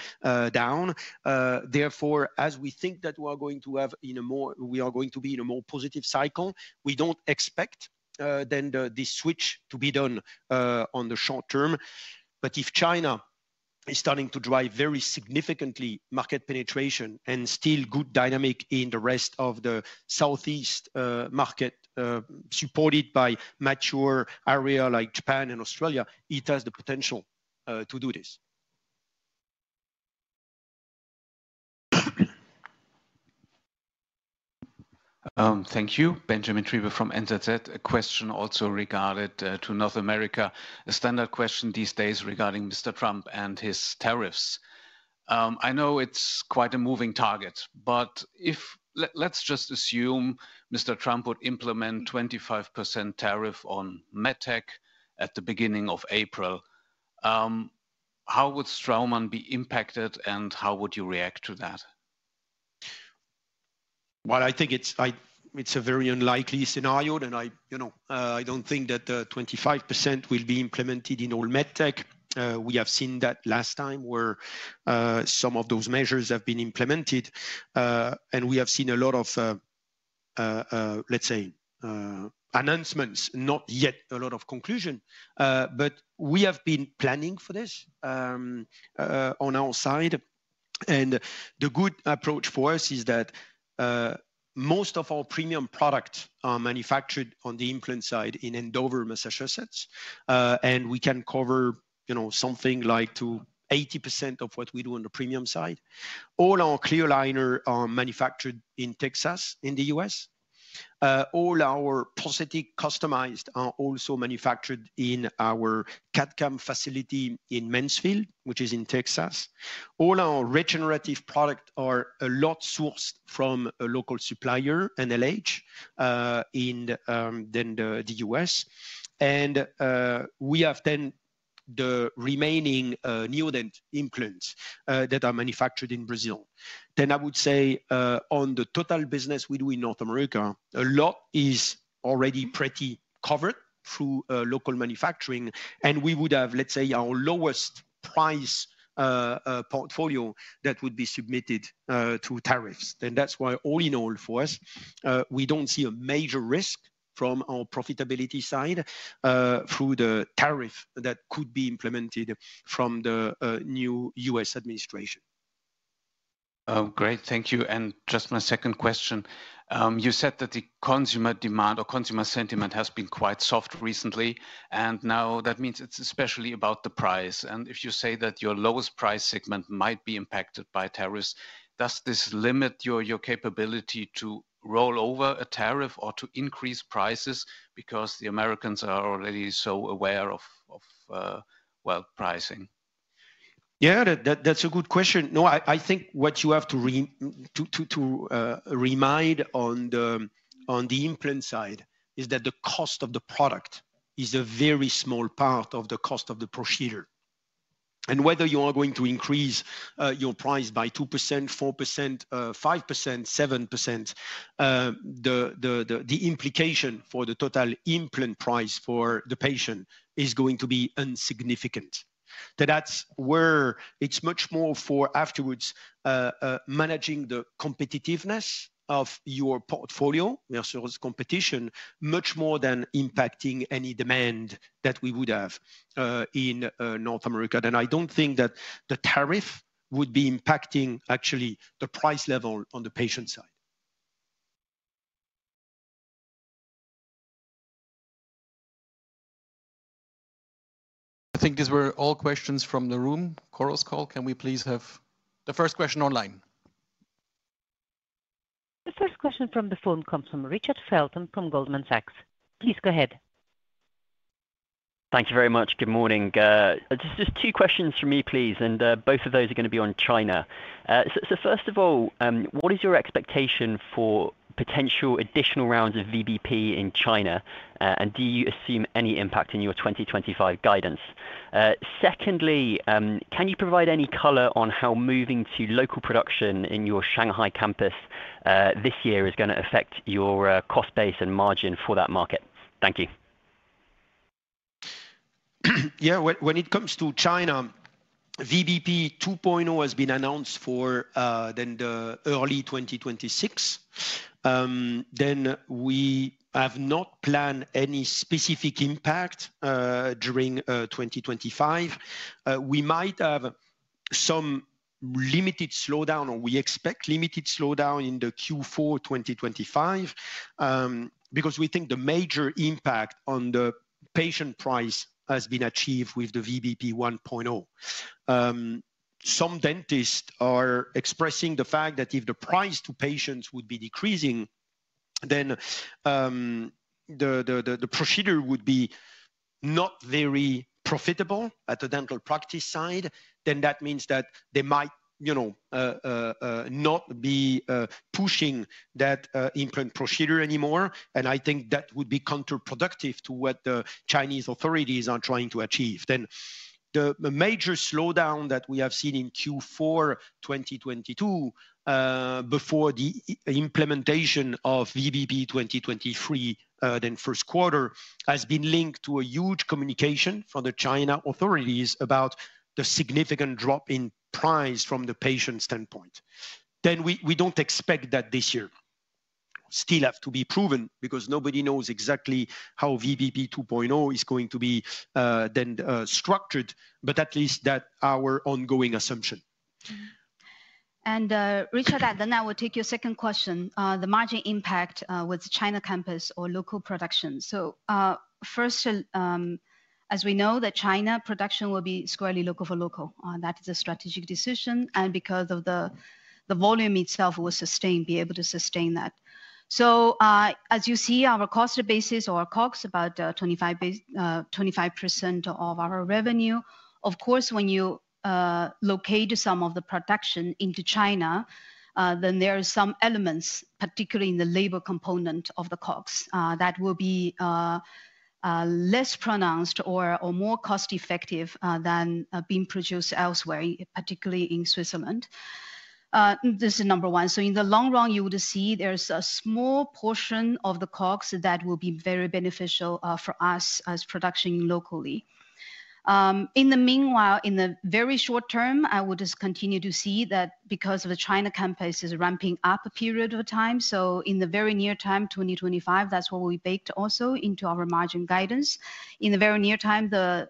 down. Therefore, as we think that we are going to have a more, we are going to be in a more positive cycle, we don't expect the switch to be done in the short term. But if China is starting to drive very significant market penetration and still good dynamics in the rest of the Southeast market supported by mature areas like Japan and Australia, it has the potential to do this. Thank you. Benjamin Triebe from NZZ. A question also regarding North America. A standard question these days regarding Mr. Trump and his tariffs. I know it's quite a moving target, but if let's just assume Mr. Trump would implement a 25% tariff on MedTech at the beginning of April, how would Straumann be impacted and how would you react to that? Well, I think it's a very unlikely scenario. I don't think that 25% will be implemented in all MedTech. We have seen that last time where some of those measures have been implemented. We have seen a lot of announcements, not yet a lot of conclusion. But we have been planning for this on our side. The good approach for us is that most of our premium products are manufactured on the implant side in Andover, Massachusetts. We can cover something like 80% of what we do on the premium side. All our clear liner are manufactured in Texas in the U.S.. All our prosthetic customized are also manufactured in our CAD/CAM facility in Mansfield, which is in Texas. All our regenerative products are a lot sourced from a local supplier, NLH, in the U.S.. We have then the remaining Neodent implants that are manufactured in Brazil. I would say on the total business we do in North America, a lot is already pretty covered through local manufacturing. We would have, let's say, our lowest price portfolio that would be submitted to tariffs. That's why all in all for us, we don't see a major risk from our profitability side through the tariff that could be implemented from the new U.S. administration. Great. Thank you. Just my second question. You said that the consumer demand or consumer sentiment has been quite soft recently. Now that means it's especially about the price. If you say that your lowest price segment might be impacted by tariffs, does this limit your capability to roll over a tariff or to increase prices because the Americans are already so aware of, well, pricing? Yeah, that's a good question. No, I think what you have to remind on the implant side is that the cost of the product is a very small part of the cost of the procedure. And whether you are going to increase your price by 2%, 4%, 5%, 7%, the implication for the total implant price for the patient is going to be insignificant. That's where it's much more for afterwards managing the competitiveness of your portfolio, competition, much more than impacting any demand that we would have in North America. I don't think that the tariff would be impacting actually the price level on the patient side. I think these were all questions from the room. ChorusCall, can we please have the first question online? The first question from the phone comes from Richard Felton from Goldman Sachs. Please go ahead. Thank you very much. Good morning. Just two questions from me, please. Both of those are going to be on China. First of all, what is your expectation for potential additional rounds of VBP in China? Do you assume any impact in your 2025 guidance? Secondly, can you provide any color on how moving to local production in your Shanghai campus this year is going to affect your cost base and margin for that market? Thank you. When it comes to China, VBP 2.0 has been announced for early 2026. We have not planned any specific impact during 2025. We might have some limited slowdown, or we expect limited slowdown in Q4 2025, because we think the major impact on the patient price has been achieved with VBP 1.0. Some dentists are expressing the fact that if the price to patients would be decreasing, then the procedure would be not very profitable at the dental practice side. That means that they might not be pushing that implant procedure anymore. I think that would be counterproductive to what the Chinese authorities are trying to achieve. The major slowdown that we have seen in Q4 2022 before the implementation of VBP 2023, first quarter, has been linked to a huge communication from the China authorities about the significant drop in price from the patient standpoint. We don't expect that this year. Still has to be proven because nobody knows exactly how VBP 2.0 is going to be structured, but at least that's our ongoing assumption. Richard, I will take your second question, the margin impact with China campus or local production. First, as we know, China production will be squarely local-for local. That is a strategic decision. Because of the volume itself, we will be able to sustain that. As you see, our cost basis or our COGS is about 25% of our revenue. Of course, when you locate some of the production into China, then there are some elements, particularly in the labor component of the COGS, that will be less pronounced or more cost-effective than being produced elsewhere, particularly in Switzerland. This is number one. In the long run, you would see there's a small portion of the COGS that will be very beneficial for us as production locally. In the meanwhile, in the very short term, I would just continue to see that because of the China campus is ramping up a period of time. In the very near time, 2025, that's what we baked also into our margin guidance. In the very near time, the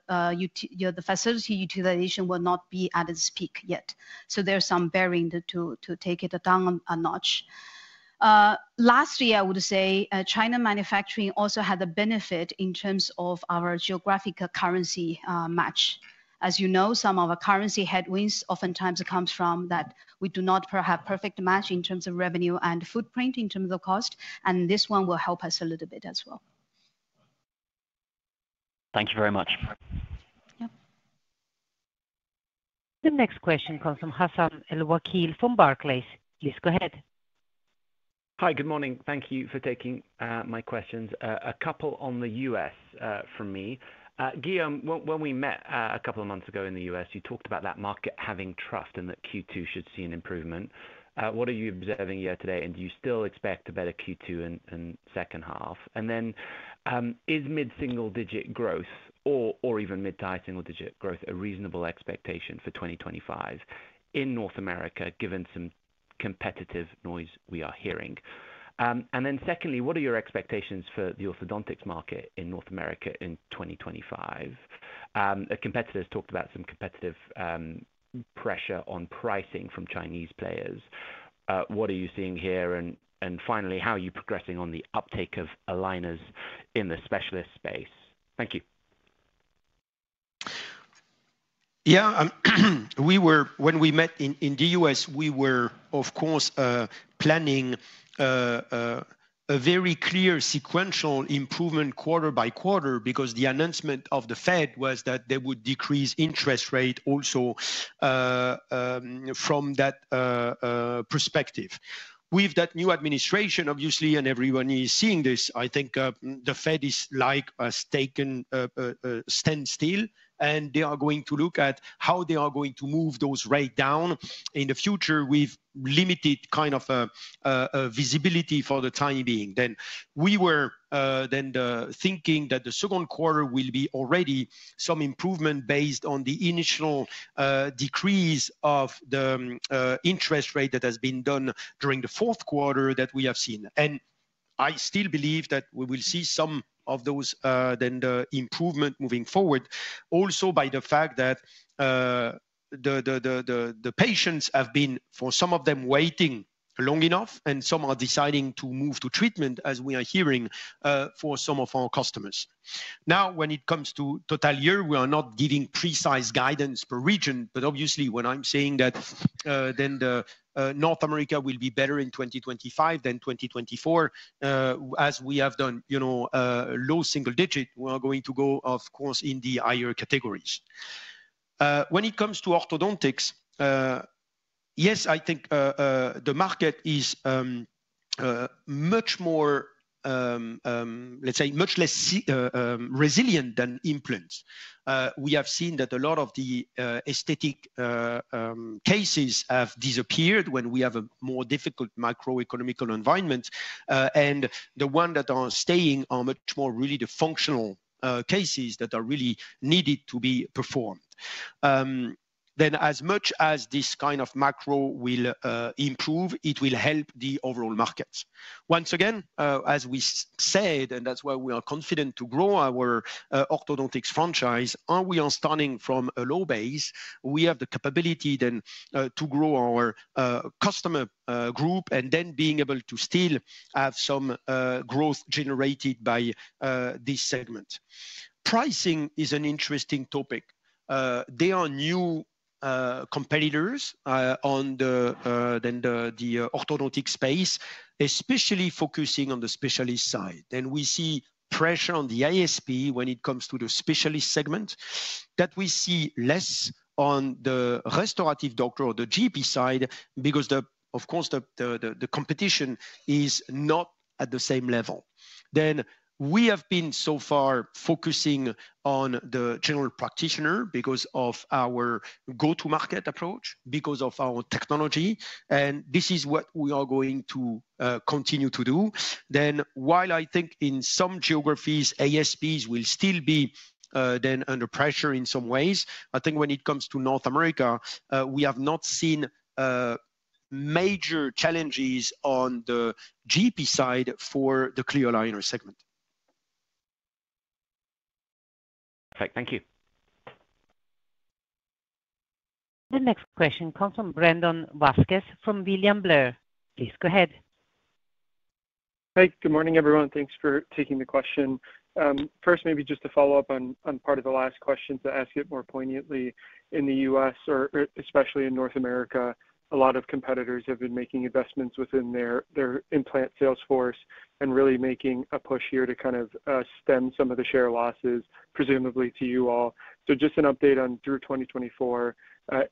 facility utilization will not be at its peak yet. There's some bearing to take it down a notch. Lastly, I would say China manufacturing also had a benefit in terms of our geographical currency match. As you know, some of our currency headwinds oftentimes come from that we do not have a perfect match in terms of revenue and footprint in terms of cost. This one will help us a little bit as well. Thank you very much. The next question comes from Hassan Al-Wakeel from Barclays. Please go ahead. Hi, good morning. Thank you for taking my questions. A couple on the U.S. from me. Guillaume, when we met a couple of months ago in the U.S., you talked about that market having trust and that Q2 should see an improvement. What are you observing here today? Do you still expect a better Q2 and second half? Is mid-single digit growth or even mid-t0-high single digit growth a reasonable expectation for 2025 in North America given some competitive noise we are hearing? Secondly, what are your expectations for the orthodontics market in North America in 2025? A competitor has talked about some competitive pressure on pricing from Chinese players. What are you seeing here? Finally, how are you progressing on the uptake of aligners in the specialist space? Thank you. When we met in the U.S., we were, of course, planning a very clear sequential improvement quarter-by-quarter because the announcement of the Fed was that they would decrease interest rate also from that perspective. With that new administration, obviously, and everyone is seeing this, I think the Fed is like a standstill, and they are going to look at how they are going to move those rates down in the future with limited kind of visibility for the time being. We were thinking that the second quarter will be already some improvement based on the initial decrease of the interest rate that has been done during the fourth quarter that we have seen. I still believe that we will see some of those improvements moving forward also by the fact that the patients have been, for some of them, waiting long enough, and some are deciding to move to treatment, as we are hearing, for some of our customers. When it comes to total year, we are not giving precise guidance per region, but obviously, when I'm saying that North America will be better in 2025 than 2024, as we have done low single digit, we are going to go, of course, in the higher categories. When it comes to orthodontics, yes, I think the market is much more, let's say, much less resilient than implants. We have seen that a lot of the aesthetic cases have disappeared when we have a more difficult macroeconomical environment. The ones that are staying are much more really the functional cases that are really needed to be performed. As much as this kind of macro will improve, it will help the overall markets. Once again, as we said, and that's why we are confident to grow our orthodontics franchise, we are starting from a low base. We have the capability then to grow our customer group and then being able to still have some growth generated by this segment. Pricing is an interesting topic. There are new competitors on the orthodontic space, especially focusing on the specialist side. We see pressure on the ASP when it comes to the specialist segment that we see less on the restorative doctor or the GP side because, of course, the competition is not at the same level. We have been so far focusing on the general practitioner because of our go-to-market approach, because of our technology. This is what we are going to continue to do. While I think in some geographies, ASPs will still be under pressure in some ways, I think when it comes to North America, we have not seen major challenges on the GP side for the clear aligner segment. Perfect. Thank you. The next question comes from Brandon Vazquez from William Blair. Please go ahead. Hi, good morning, everyone. Thanks for taking the question. First, maybe just to follow up on part of the last question to ask it more poignantly. In the U.S., or especially in North America, a lot of competitors have been making investments within their implant sales force and really making a push here to kind of stem some of the share losses, presumably to you all. So just an update on through 2024,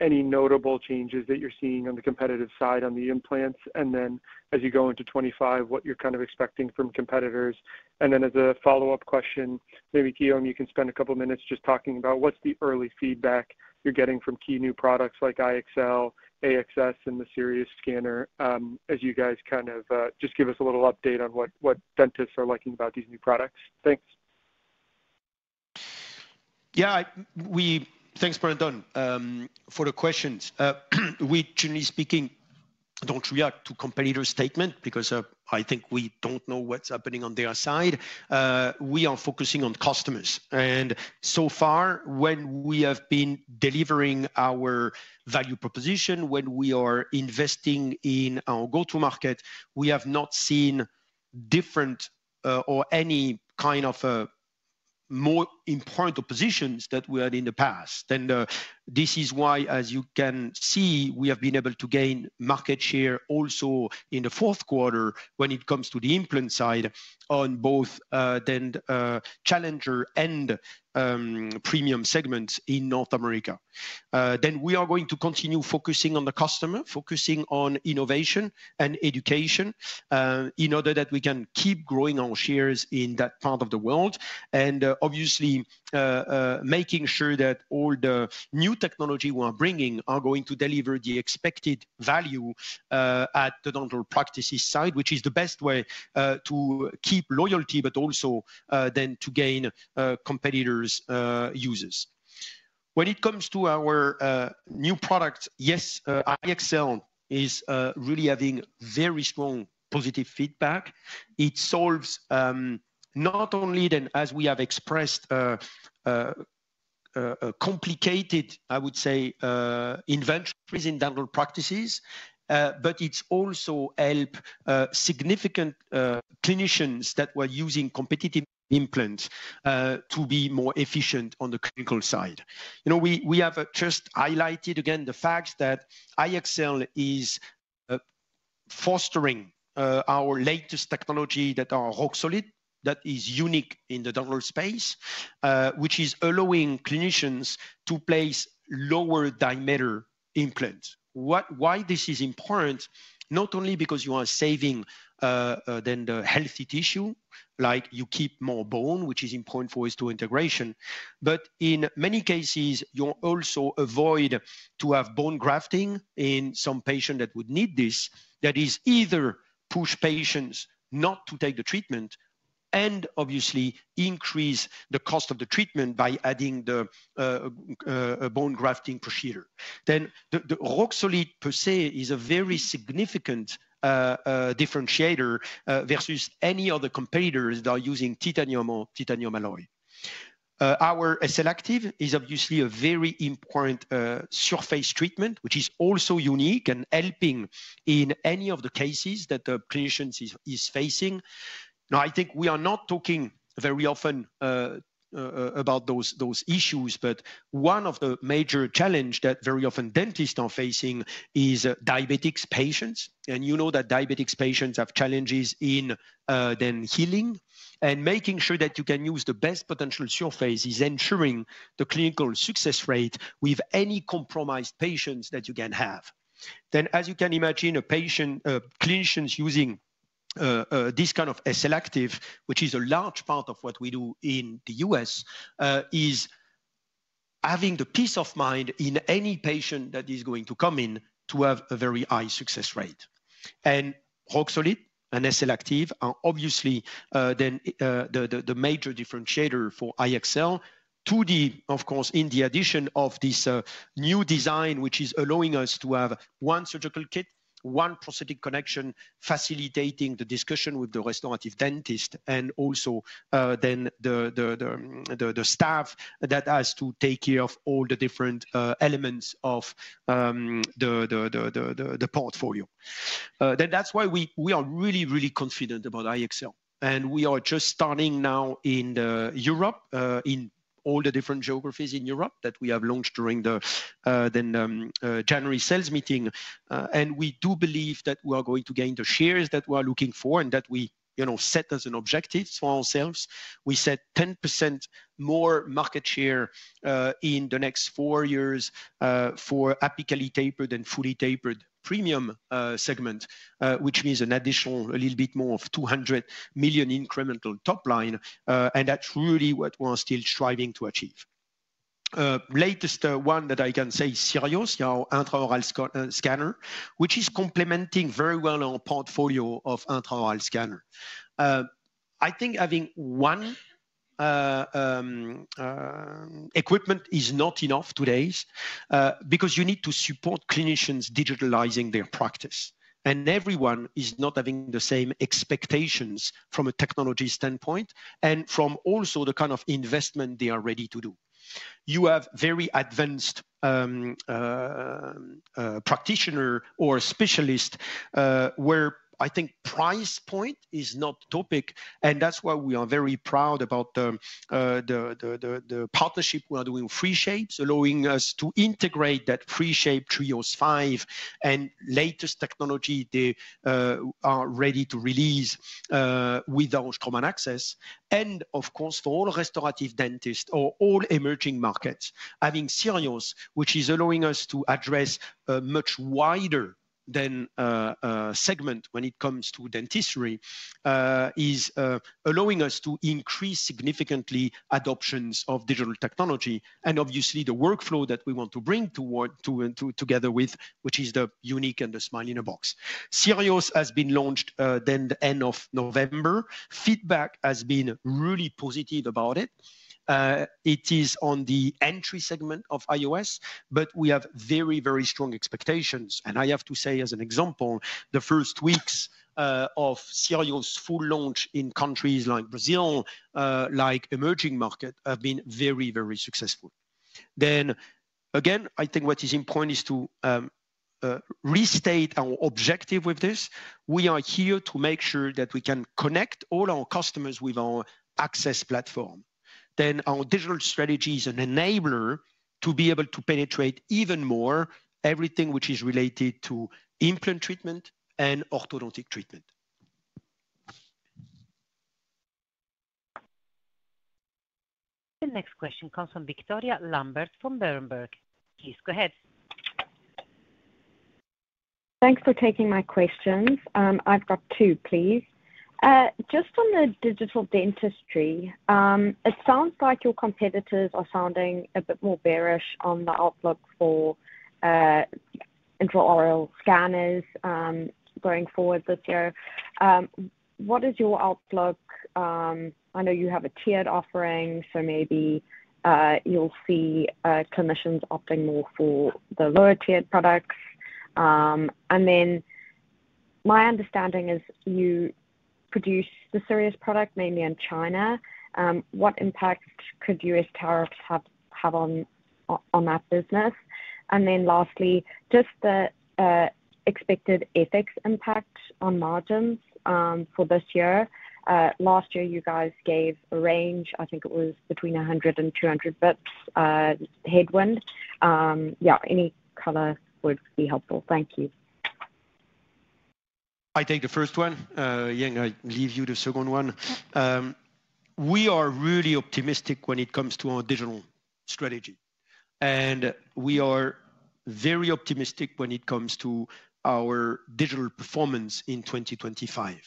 any notable changes that you're seeing on the competitive side on the implants, and then as you go into '25, what you're kind of expecting from competitors. And then as a follow-up question, maybe Guillaume, you can spend a couple of minutes just talking about what's the early feedback you're getting from key new products like iEXCEL, AXS, and the SIRIOS scanner as you guys kind of just give us a little update on what dentists are liking about these new products? Thanks. Yeah, thanks, Brandon, for the questions. We generally speaking don't react to competitor statements because I think we don't know what's happening on their side. We are focusing on customers. So far, when we have been delivering our value proposition, when we are investing in our go-to-market, we have not seen different or any kind of more important positions that we had in the past. This is why, as you can see, we have been able to gain market share also in the fourth quarter when it comes to the implant side on both the challenger and premium segments in North America. We are going to continue focusing on the customer, focusing on innovation and education in order that we can keep growing our shares in that part of the world. Obviously, making sure that all the new technology we are bringing are going to deliver the expected value at the dental practices side, which is the best way to keep loyalty, but also then to gain competitors' users. When it comes to our new product, yes, iEXCEL is really having very strong positive feedback. It solves not only then, as we have expressed, complicated, I would say, inventories in dental practices, but it's also helped significant clinicians that were using competitive implants to be more efficient on the clinical side. We have just highlighted again the fact that iEXCEL is fostering our latest technology that are Roxolid, that is unique in the dental space, which is allowing clinicians to place lower diameter implants. Why this is important? Not only because you are saving the healthy tissue, like you keep more bone, which is important for osseointegration, but in many cases, you also avoid having to do bone grafting in some patients that would need this. That either pushes patients not to take the treatment and obviously increases the cost of the treatment by adding the bone grafting procedure. The Roxolid per se is a very significant differentiator versus any other competitors that are using titanium or titanium alloy. Our SLActive is obviously a very important surface treatment, which is also unique and helping in any of the cases that the clinicians are facing. I think we are not talking very often about those issues, but one of the major challenges that very often dentists are facing is diabetic patients. You know that diabetic patients have challenges in healing. Making sure that you can use the best potential surface is ensuring the clinical success rate with any compromised patients that you can have. As you can imagine, a patient, a clinician using this kind of SLActive, which is a large part of what we do in the U.S., is having the peace of mind in any patient that is going to come in to have a very high success rate. Roxolid and SLActive are obviously the major differentiator for iEXCEL, of course, in the addition of this new design, which is allowing us to have one surgical kit, one prosthetic connection facilitating the discussion with the restorative dentist and also the staff that has to take care of all the different elements of the portfolio. That's why we are really, really confident about iEXCEL. We are just starting now in Europe, in all the different geographies in Europe that we have launched during the January sales meeting. We do believe that we are going to gain the shares that we are looking for and that we set as an objective for ourselves. We set 10% more market share in the next four years for apically tapered and fully tapered premium segment, which means an additional a little bit more of $200 million incremental top line. That's really what we're still striving to achieve. Latest one that I can say is SIRIOS, our intraoral scanner, which is complementing very well our portfolio of intraoral scanner. I think having one equipment is not enough today because you need to support clinicians digitalizing their practice. Everyone is not having the same expectations from a technology standpoint and from also the kind of investment they are ready to do. You have very advanced practitioners or specialists where I think price point is not a topic. That's why we are very proud about the partnership we are doing with 3Shape, allowing us to integrate that 3Shape TRIOS 5 and latest technology they are ready to release with our Straumann AXS. Of course, for all restorative dentists or all emerging markets, having SIRIOS, which is allowing us to address a much wider segment when it comes to dentistry, is allowing us to increase significantly adoption of digital technology. Obviously, the workflow that we want to bring together with, which is the unique Smile in a Box. SIRIOS has been launched at the end of November. Feedback has been really positive about it. It is on the entry segment of iOS, but we have very, very strong expectations. I have to say, as an example, the first weeks of SIRIOS' full launch in countries like Brazil, like emerging market, have been very, very successful. What is important is to restate our objective with this. We are here to make sure that we can connect all our customers with our access platform. Our digital strategy is an enabler to be able to penetrate even more everything which is related to implant treatment and orthodontic treatment. The next question comes from Victoria Lambert from Berenberg. Please go ahead. Thanks for taking my questions. I've got two, please. Just on the digital dentistry, it sounds like your competitors are sounding a bit more bearish on the outlook for intraoral scanners going forward this year. What is your outlook? I know you have a tiered offering, so maybe you'll see clinicians opting more for the lower tiered products. And then my understanding is you produce the SIRIOS product mainly in China. What impact could U.S. tariffs have on that business? And then lastly, just the expected ethics impact on margins for this year. Last year, you guys gave a range, I think it was between 100 and 200 bps headwind. Yeah, any color would be helpful. Thank you. I take the first one. Yang, I leave you the second one. We are really optimistic when it comes to our digital strategy. We are very optimistic when it comes to our digital performance in 2025.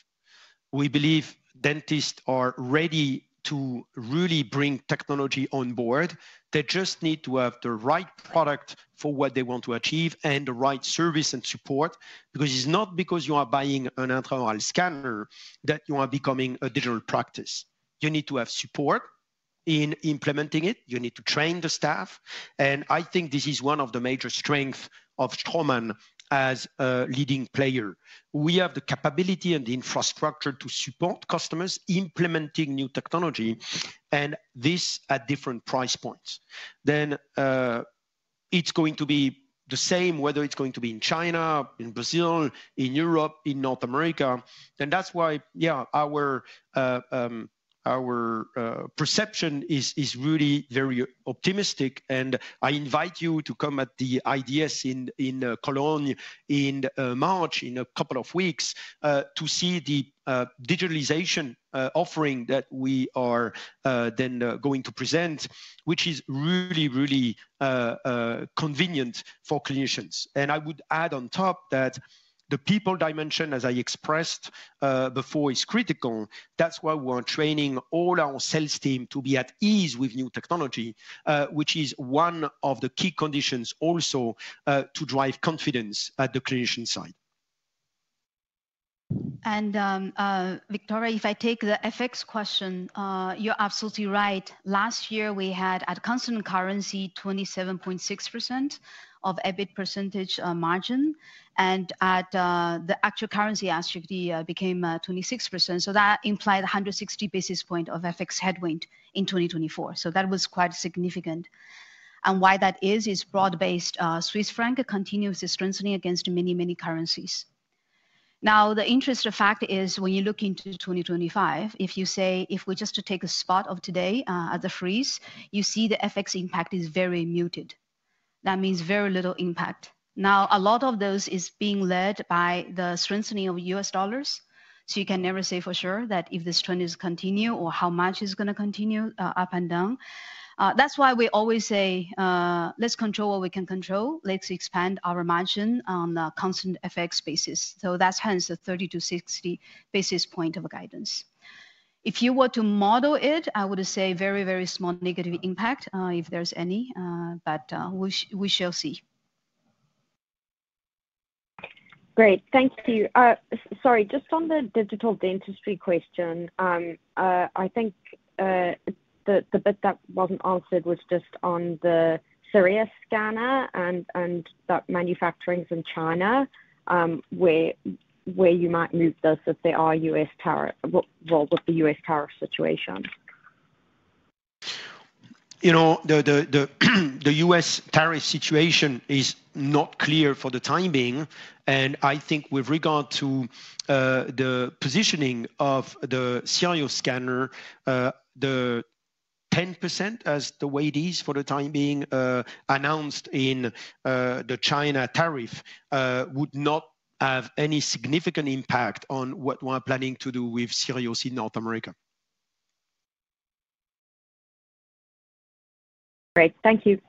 We believe dentists are ready to really bring technology on board. They just need to have the right product for what they want to achieve and the right service and support because it's not because you are buying an intraoral scanner that you are becoming a digital practice. You need to have support in implementing it. You need to train the staff. I think this is one of the major strengths of Straumann as a leading player. We have the capability and the infrastructure to support customers implementing new technology, and this at different price points. It's going to be the same whether it's going to be in China, in Brazil, in Europe, in North America. That's why our perception is really very optimistic. I invite you to come at the IDS in Cologne in March in a couple of weeks to see the digitalization offering that we are then going to present, which is really, really convenient for clinicians. I would add on top that the people dimension, as I expressed before, is critical. That's why we are training all our sales team to be at ease with new technology, which is one of the key conditions also to drive confidence at the clinician side. Victoria, if I take the FX question, you're absolutely right. Last year, we had at constant currency 27.6% of EBIT percentage margin. At the actual currency activity became 26%. So that implied 160 basis points of FX headwind in 2024. So that was quite significant. Why that is, is broad-based Swiss franc continues to strengthen against many, many currencies. Now, the interesting fact is when you look into 2025, if you say, if we just take a spot of today at the freeze, you see the FX impact is very muted. That means very little impact. Now, a lot of those is being led by the strengthening of U.S. dollars. So you can never say for sure that if this trend is continuing or how much is going to continue up and down. That's why we always say, let's control what we can control. Let's expand our margin on a constant FX basis. So that's hence the 30 to 60 basis point of guidance. If you were to model it, I would say very, very small negative impact if there's any, but we shall see. Great. Thank you. Sorry, just on the digital dentistry question, I think the bit that wasn't answered was just on the SIRIOS scanner and that manufacturing's in China, where you might move this if they are U.S. tariff role with the U.S. tariff situation. You know, the U.S. tariff situation is not clear for the time being. I think with regard to the positioning of the SIRIOS scanner, the 10% as the way it is for the time being announced in the China tariff would not have any significant impact on what we're planning to do with SIRIOS in North America. Great. Thank you.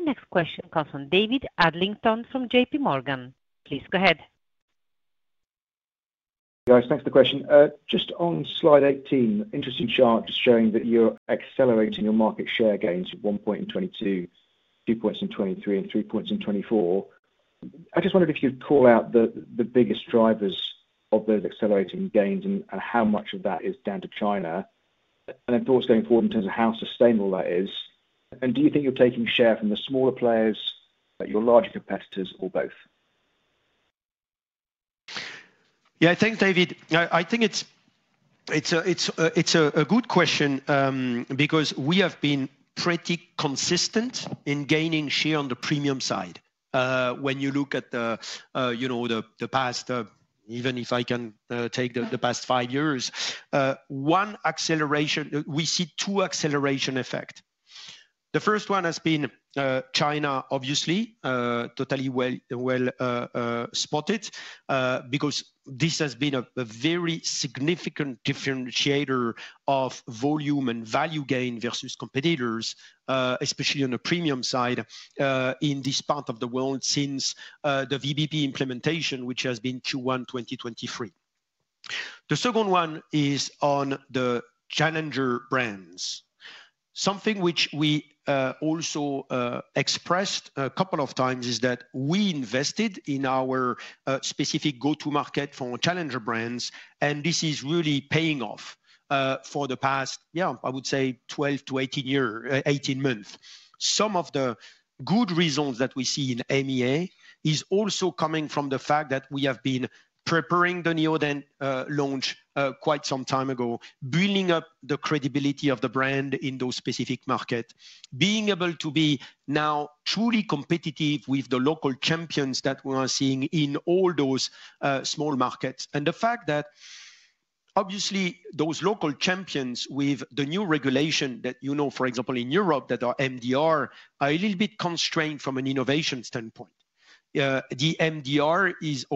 Next question comes from David Adlington from JPMorgan. Please go ahead. Thanks for the question. Just on slide 18, interesting chart just showing that you're accelerating your market share gains at 1 points 2022, 2 points 2023, and 3 points 2024. I just wondered if you'd call out the biggest drivers of those accelerating gains and how much of that is down to China. And then thoughts going forward in terms of how sustainable that is. And do you think you're taking share from the smaller players, your larger competitors, or both? Yeah, thanks, David. I think it's a good question because we have been pretty consistent in gaining share on the premium side. When you look at the past, even if I can take the past five years, one acceleration, we see two acceleration effects. The first one has been China, obviously, totally well spotted because this has been a very significant differentiator of volume and value gain versus competitors, especially on the premium side in this part of the world since the VBP implementation, which has been Q1 2023. The second one is on the challenger brands. Something which we also expressed a couple of times is that we invested in our specific go-to-market for challenger brands, and this is really paying off for the past, I would say 12 to 18 months. Some of the good reasons that we see in MEA is also coming from the fact that we have been preparing the Neodent launch quite some time ago, building up the credibility of the brand in those specific markets, being able to be now truly competitive with the local champions that we are seeing in all those small markets. The fact that obviously those local champions with the new regulation that you know, for example, in Europe that are MDR are a little bit constrained from an innovation standpoint. The MDR is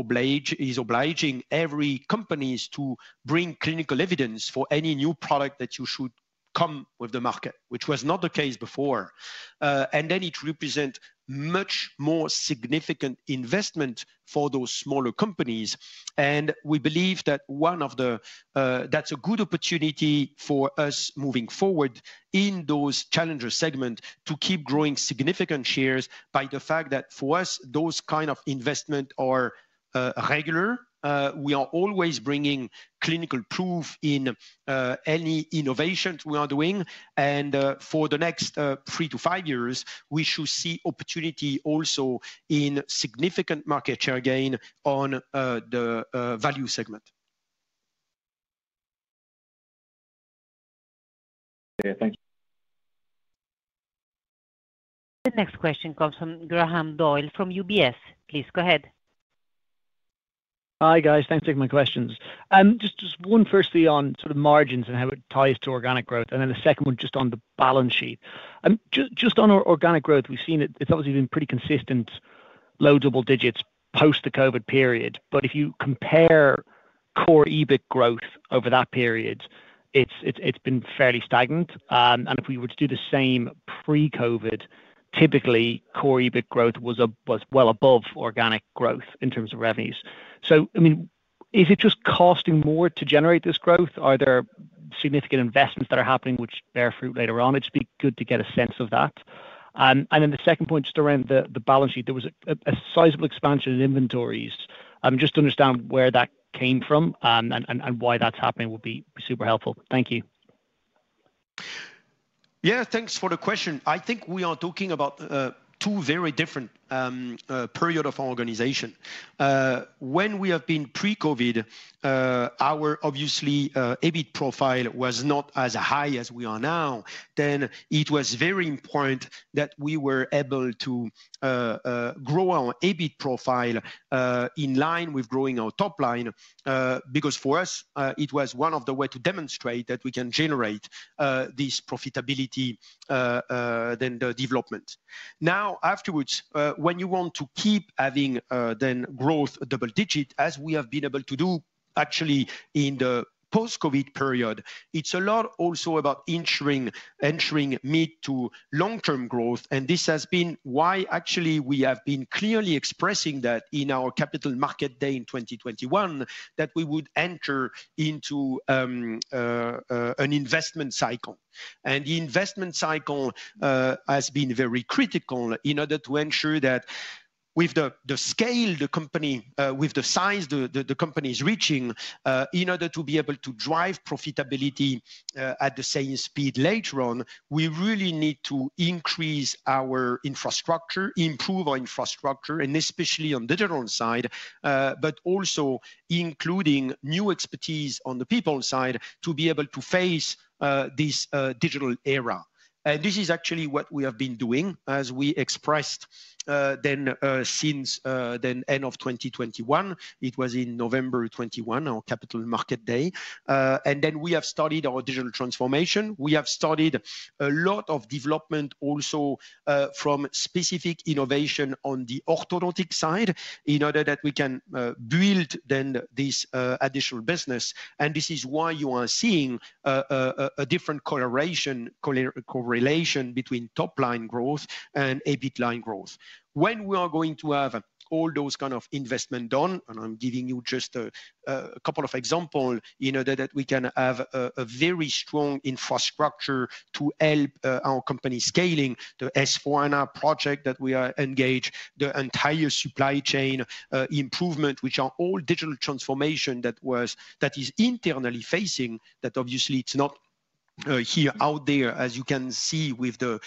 obliging every company to bring clinical evidence for any new product that you should come with the market, which was not the case before. It represents much more significant investment for those smaller companies. We believe that's a good opportunity for us moving forward in those challenger segments to keep growing significant shares by the fact that for us, those kind of investments are regular. We are always bringing clinical proof in any innovations we are doing. For the next three to five years, we should see opportunity also in significant market share gain on the value segment. Thank you. The next question comes from Graham Doyle from UBS. Please go ahead. Hi guys. Thanks for taking my questions. Just one firstly on sort of margins and how it ties to organic growth. The second one just on the balance sheet. Just on our organic growth, we've seen it's obviously been pretty consistent, low double digits post the COVID period. But if you compare core EBIT growth over that period, it's been fairly stagnant. If we were to do the same pre-COVID, typically core EBIT growth was well above organic growth in terms of revenues. I mean, is it just costing more to generate this growth? Are there significant investments that are happening which bear fruit later on? It'd be good to get a sense of that. The second point just around the balance sheet, there was a sizable expansion in inventories. Just to understand where that came from and why that's happening would be super helpful Thank you. Yeah, thanks for the question. I think we are talking about two very different periods of organization. When we have been pre-COVID, our EBITDA profile was not as high as we are now. Then it was very important that we were able to grow our EBITDA profile in line with growing our top line because for us, it was one of the ways to demonstrate that we can generate this profitability during the development. Now, afterwards, when you want to keep having growth double digit, as we have been able to do actually in the post-COVID period, it's a lot also about ensuring mid to long-term growth. This has been why actually we have been clearly expressing that in our capital market day in 2021, that we would enter into an investment cycle. The investment cycle has been very critical in order to ensure that with the scale, the company, with the size the company is reaching, in order to be able to drive profitability at the same speed later on, we really need to increase our infrastructure, improve our infrastructure, and especially on the digital side, but also including new expertise on the people side to be able to face this digital era. This is actually what we have been doing as we expressed since the end of 2021. It was in November 2021, our capital market day. We have started our digital transformation. We have started a lot of development also from specific innovation on the orthodontic side in order that we can build this additional business. This is why you are seeing a different coloration correlation between top line growth and EBIT line growth. When we are going to have all those kind of investment done, I'm giving you just a couple of examples in order that we can have a very strong infrastructure to help our company scaling, the S/4HANA project that we are engaged, the entire supply chain improvement, which are all digital transformation that is internally facing, that obviously it's not here out there as you can see with the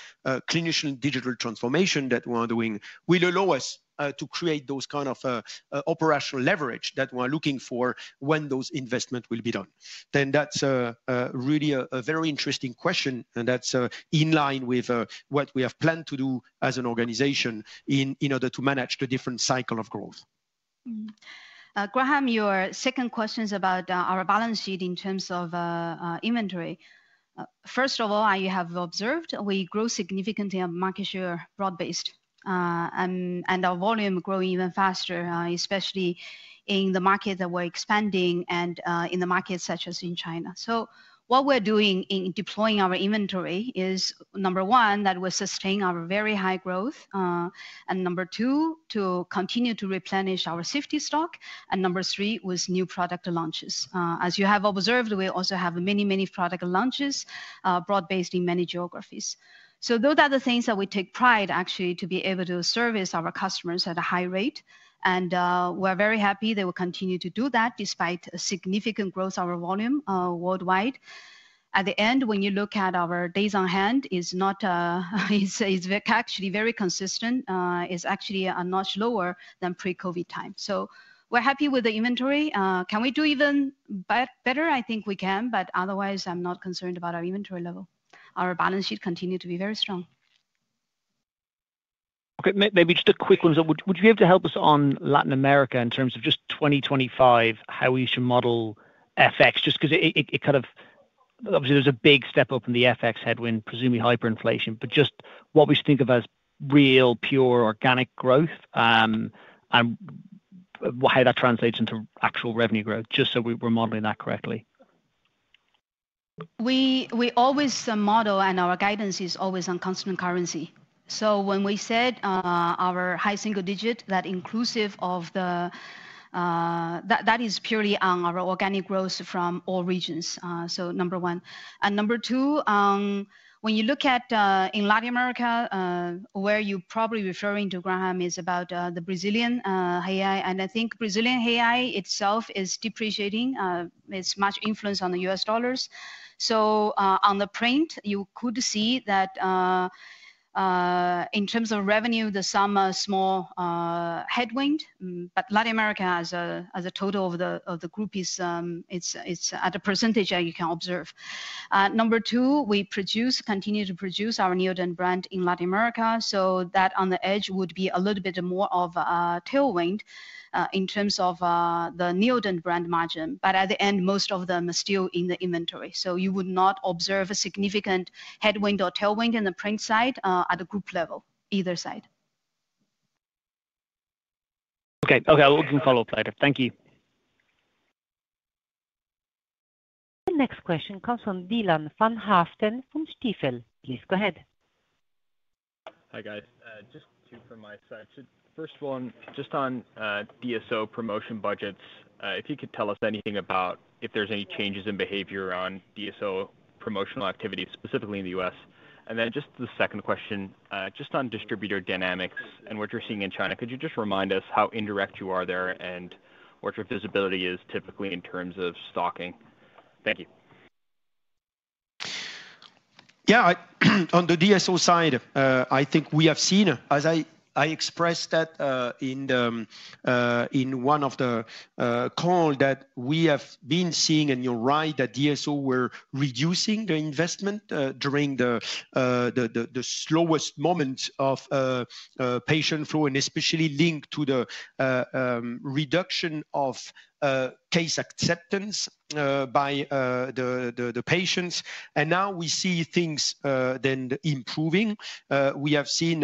clinical digital transformation that we are doing, will allow us to create those kind of operational leverage that we're looking for when those investments will be done. That's really a very interesting question, that's in line with what we have planned to do as an organization in order to manage the different cycle of growth. Graham, your second question is about our balance sheet in terms of inventory. First of all, I have observed we grow significantly on market share broad-based and our volume growing even faster, especially in the market that we're expanding and in the markets such as in China. So what we're doing in deploying our inventory is number one, that we're sustaining our very high growth, and number two, to continue to replenish our safety stock, and number three was new product launches. As you have observed, we also have many, many product launches broad-based in many geographies. So those are the things that we take pride actually to be able to service our customers at a high rate. We're very happy that we continue to do that despite a significant growth of our volume worldwide. At the end, when you look at our days on hand, it's actually very consistent. It's actually a notch lower than pre-COVID time. So we're happy with the inventory. Can we do even better? I think we can, but otherwise, I'm not concerned about our inventory level. Our balance sheet continued to be very strong. Okay, maybe just a quick one. Would you be able to help us on Latin America in terms of just 2025, how we should model FX? Just because it kind of, obviously, there's a big step up in the FX headwind, presumably hyperinflation, but just what we think of as real pure organic growth and how that translates into actual revenue growth, just so we're modeling that correctly. We always model and our guidance is always on constant currency. When we said our high single digit, that's inclusive of the, that is purely on our organic growth from all regions. Number one. Number two, when you look at Latin America, where you're probably referring to Graham is about the Brazilian real. I think Brazilian real itself is depreciating. It's much influence on the U.S. dollars. On the print, you could see that in terms of revenue, there's some small headwind, but Latin America as a total of the group is at a percentage that you can observe. Number two, we continue to produce our Neodent brand in Latin America. That on the edge would be a little bit more of a tailwind in terms of the Neodent brand margin. But at the end, most of them are still in the inventory. So you would not observe a significant headwind or tailwind in the print side at a group level, either side. Okay, okay. I'll look and follow up later. Thank you. The next question comes from Dylan van Haaften from Stifel. Please go ahead. Hi guys. Just two from my side. First one, just on DSO promotion budgets, if you could tell us anything about if there's any changes in behavior on DSO promotional activity, specifically in the U.S. The second question, just on distributor dynamics and what you're seeing in China, could you just remind us how indirect you are there and what your visibility is typically in terms of stocking? Thank you. On the DSO side, I think we have seen, as I expressed in one of the calls that we have been seeing, and you're right that DSOs were reducing the investment during the slowest moments of patient flow and especially linked to the reduction of case acceptance by the patients. Now we see things improving. We have seen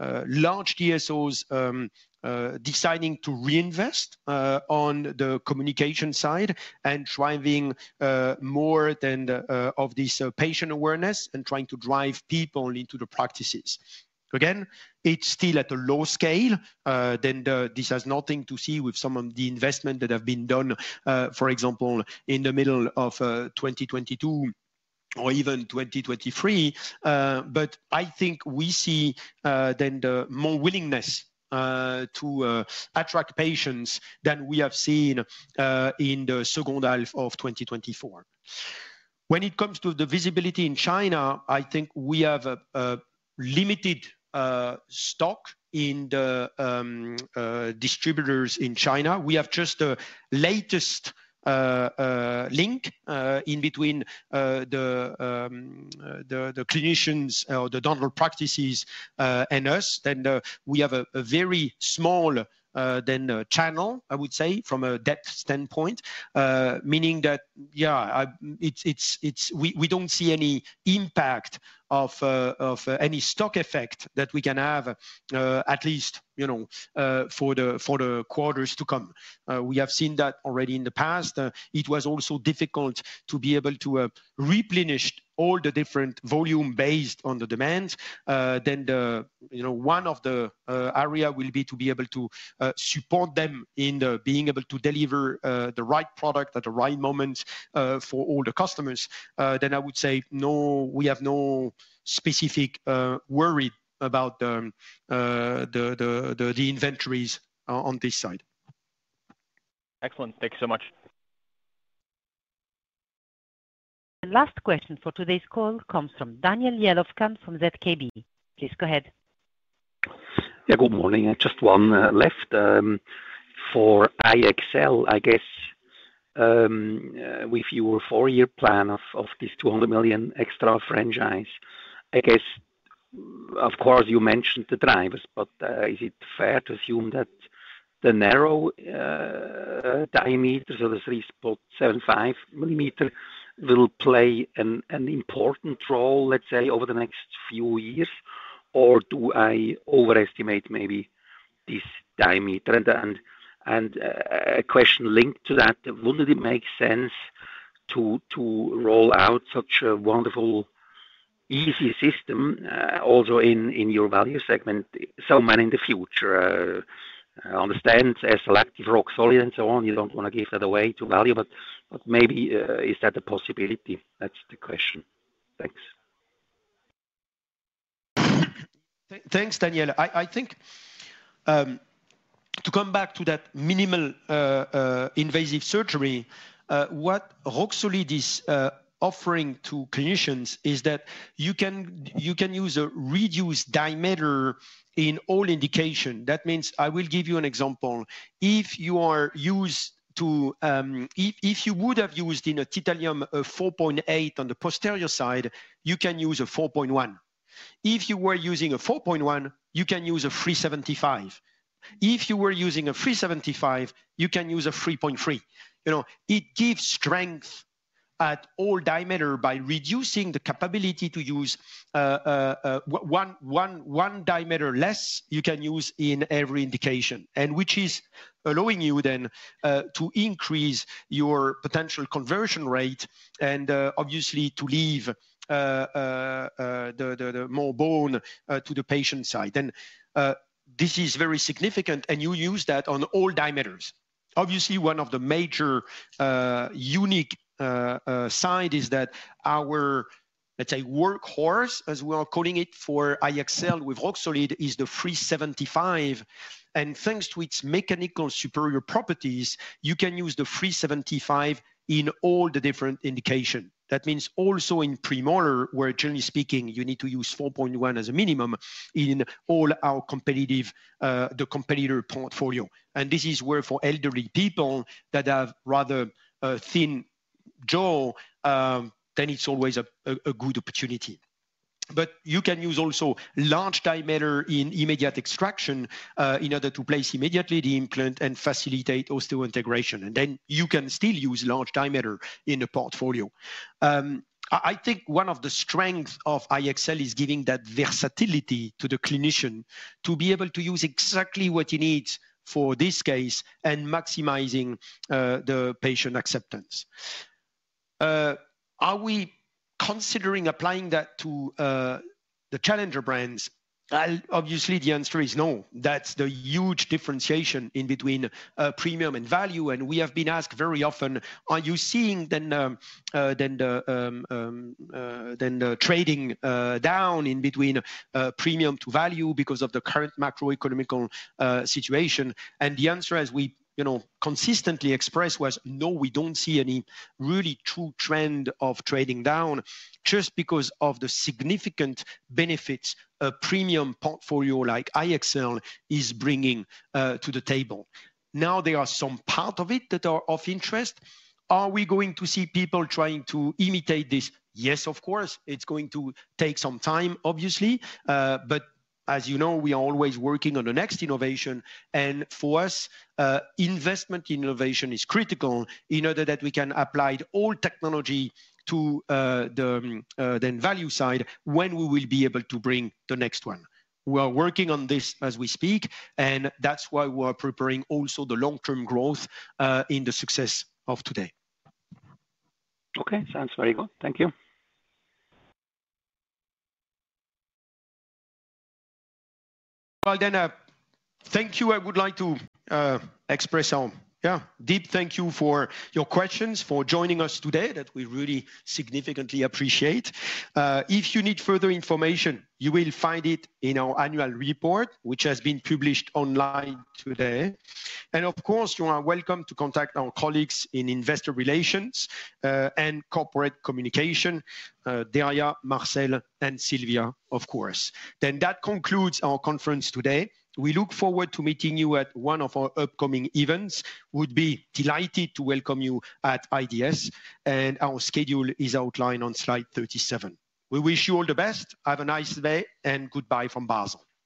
large DSOs deciding to reinvest on the communication side and driving more of this patient awareness and trying to drive people into the practices. Again, it's still at a low scale. This has nothing to do with some of the investment that have been done, for example, in the middle of 2022 or even 2023. But I think we see more willingness to attract patients than we have seen in the second half of 2024. When it comes to the visibility in China, I think we have a limited stock in the distributors in China. We have just the latest link in between the clinicians or the dental practices and us. We have a very small channel, I would say, from a depth standpoint, meaning that we don't see any impact of any stock effect that we can have at least for the quarters to come. We have seen that already in the past. It was also difficult to be able to replenish all the different volume based on the demands. One of the areas will be to be able to support them in being able to deliver the right product at the right moment for all the customers. I would say no, we have no specific worry about the inventories on this side. Excellent. Thank you so much. The last question for today's call comes from Daniel Jelovcan from ZKB. Please go ahead. Yeah, good morning. Just one left. For iEXCEL, I guess with your four-year plan of this $200 million extra franchise, I guess, of course, you mentioned the drivers, but is it fair to assume that the narrow diameters of the 3.75 mm will play an important role, let's say, over the next few years, or do I overestimate maybe this diameter? A question linked to that, wouldn't it make sense to roll out such a wonderful, easy system also in your value segment somewhere in the future? I understand SLActive Roxolid and so on. You don't want to give that away to value, but maybe is that a possibility? That's the question. Thanks. Thanks, Daniel. I think to come back to that minimal invasive surgery, what Roxolid is offering to clinicians is that you can use a reduced diameter in all indications. That means I will give you an example. If you are used to, if you would have used in a titanium 4.8 on the posterior side, you can use a 4.1. If you were using a 4.1, you can use a 3.75. If you were using a 3.75, you can use a 3.3. It gives strength at all diameters by reducing the capability to use one diameter less you can use in every indication, which is allowing you then to increase your potential conversion rate and obviously to leave more bone to the patient side. This is very significant, and you use that on all diameters. Obviously, one of the major unique sides is that our, let's say, workhorse, as we are calling it for iEXCEL with Roxolid, is the 375. Thanks to its mechanical superior properties, you can use the 375 in all the different indications. That means also in premolar, where generally speaking, you need to use 4.1 as a minimum in all our competitive, the competitor portfolio. This is where for elderly people that have rather thin jaw, then it's always a good opportunity. But you can use also large diameter in immediate extraction in order to place immediately the implant and facilitate osteointegration. Then you can still use large diameter in the portfolio. I think one of the strengths of iEXCEL is giving that versatility to the clinician to be able to use exactly what you need for this case and maximizing the patient acceptance. Are we considering applying that to the challenger brands? Obviously, the answer is no. That's the huge differentiation between premium and value. We have been asked very often, are you seeing then the trading down between premium to value because of the current macroeconomical situation? The answer, as we consistently express, was no, we don't see any really true trend of trading down just because of the significant benefits a premium portfolio like iEXCEL is bringing to the table. Now, there are some parts of it that are of interest. Are we going to see people trying to imitate this? Yes, of course. It's going to take some time, obviously. But as you know, we are always working on the next innovation. For us, investment in innovation is critical in order that we can apply all technology to the value side when we will be able to bring the next one. We are working on this as we speak, and that's why we are preparing also the long-term growth in the success of today. Sounds very good. Thank you. I would like to express our deep thank you for your questions, for joining us today, that we really significantly appreciate. If you need further information, you will find it in our annual report, which has been published online today. Of course, you are welcome to contact our colleagues in investor relations and corporate communication, Derya, Marcel, and Silvia, of course. That concludes our conference today. We look forward to meeting you at one of our upcoming events. We would be delighted to welcome you at IDS, and our schedule is outlined on slide 37. We wish you all the best. Have a nice day and goodbye from Basel.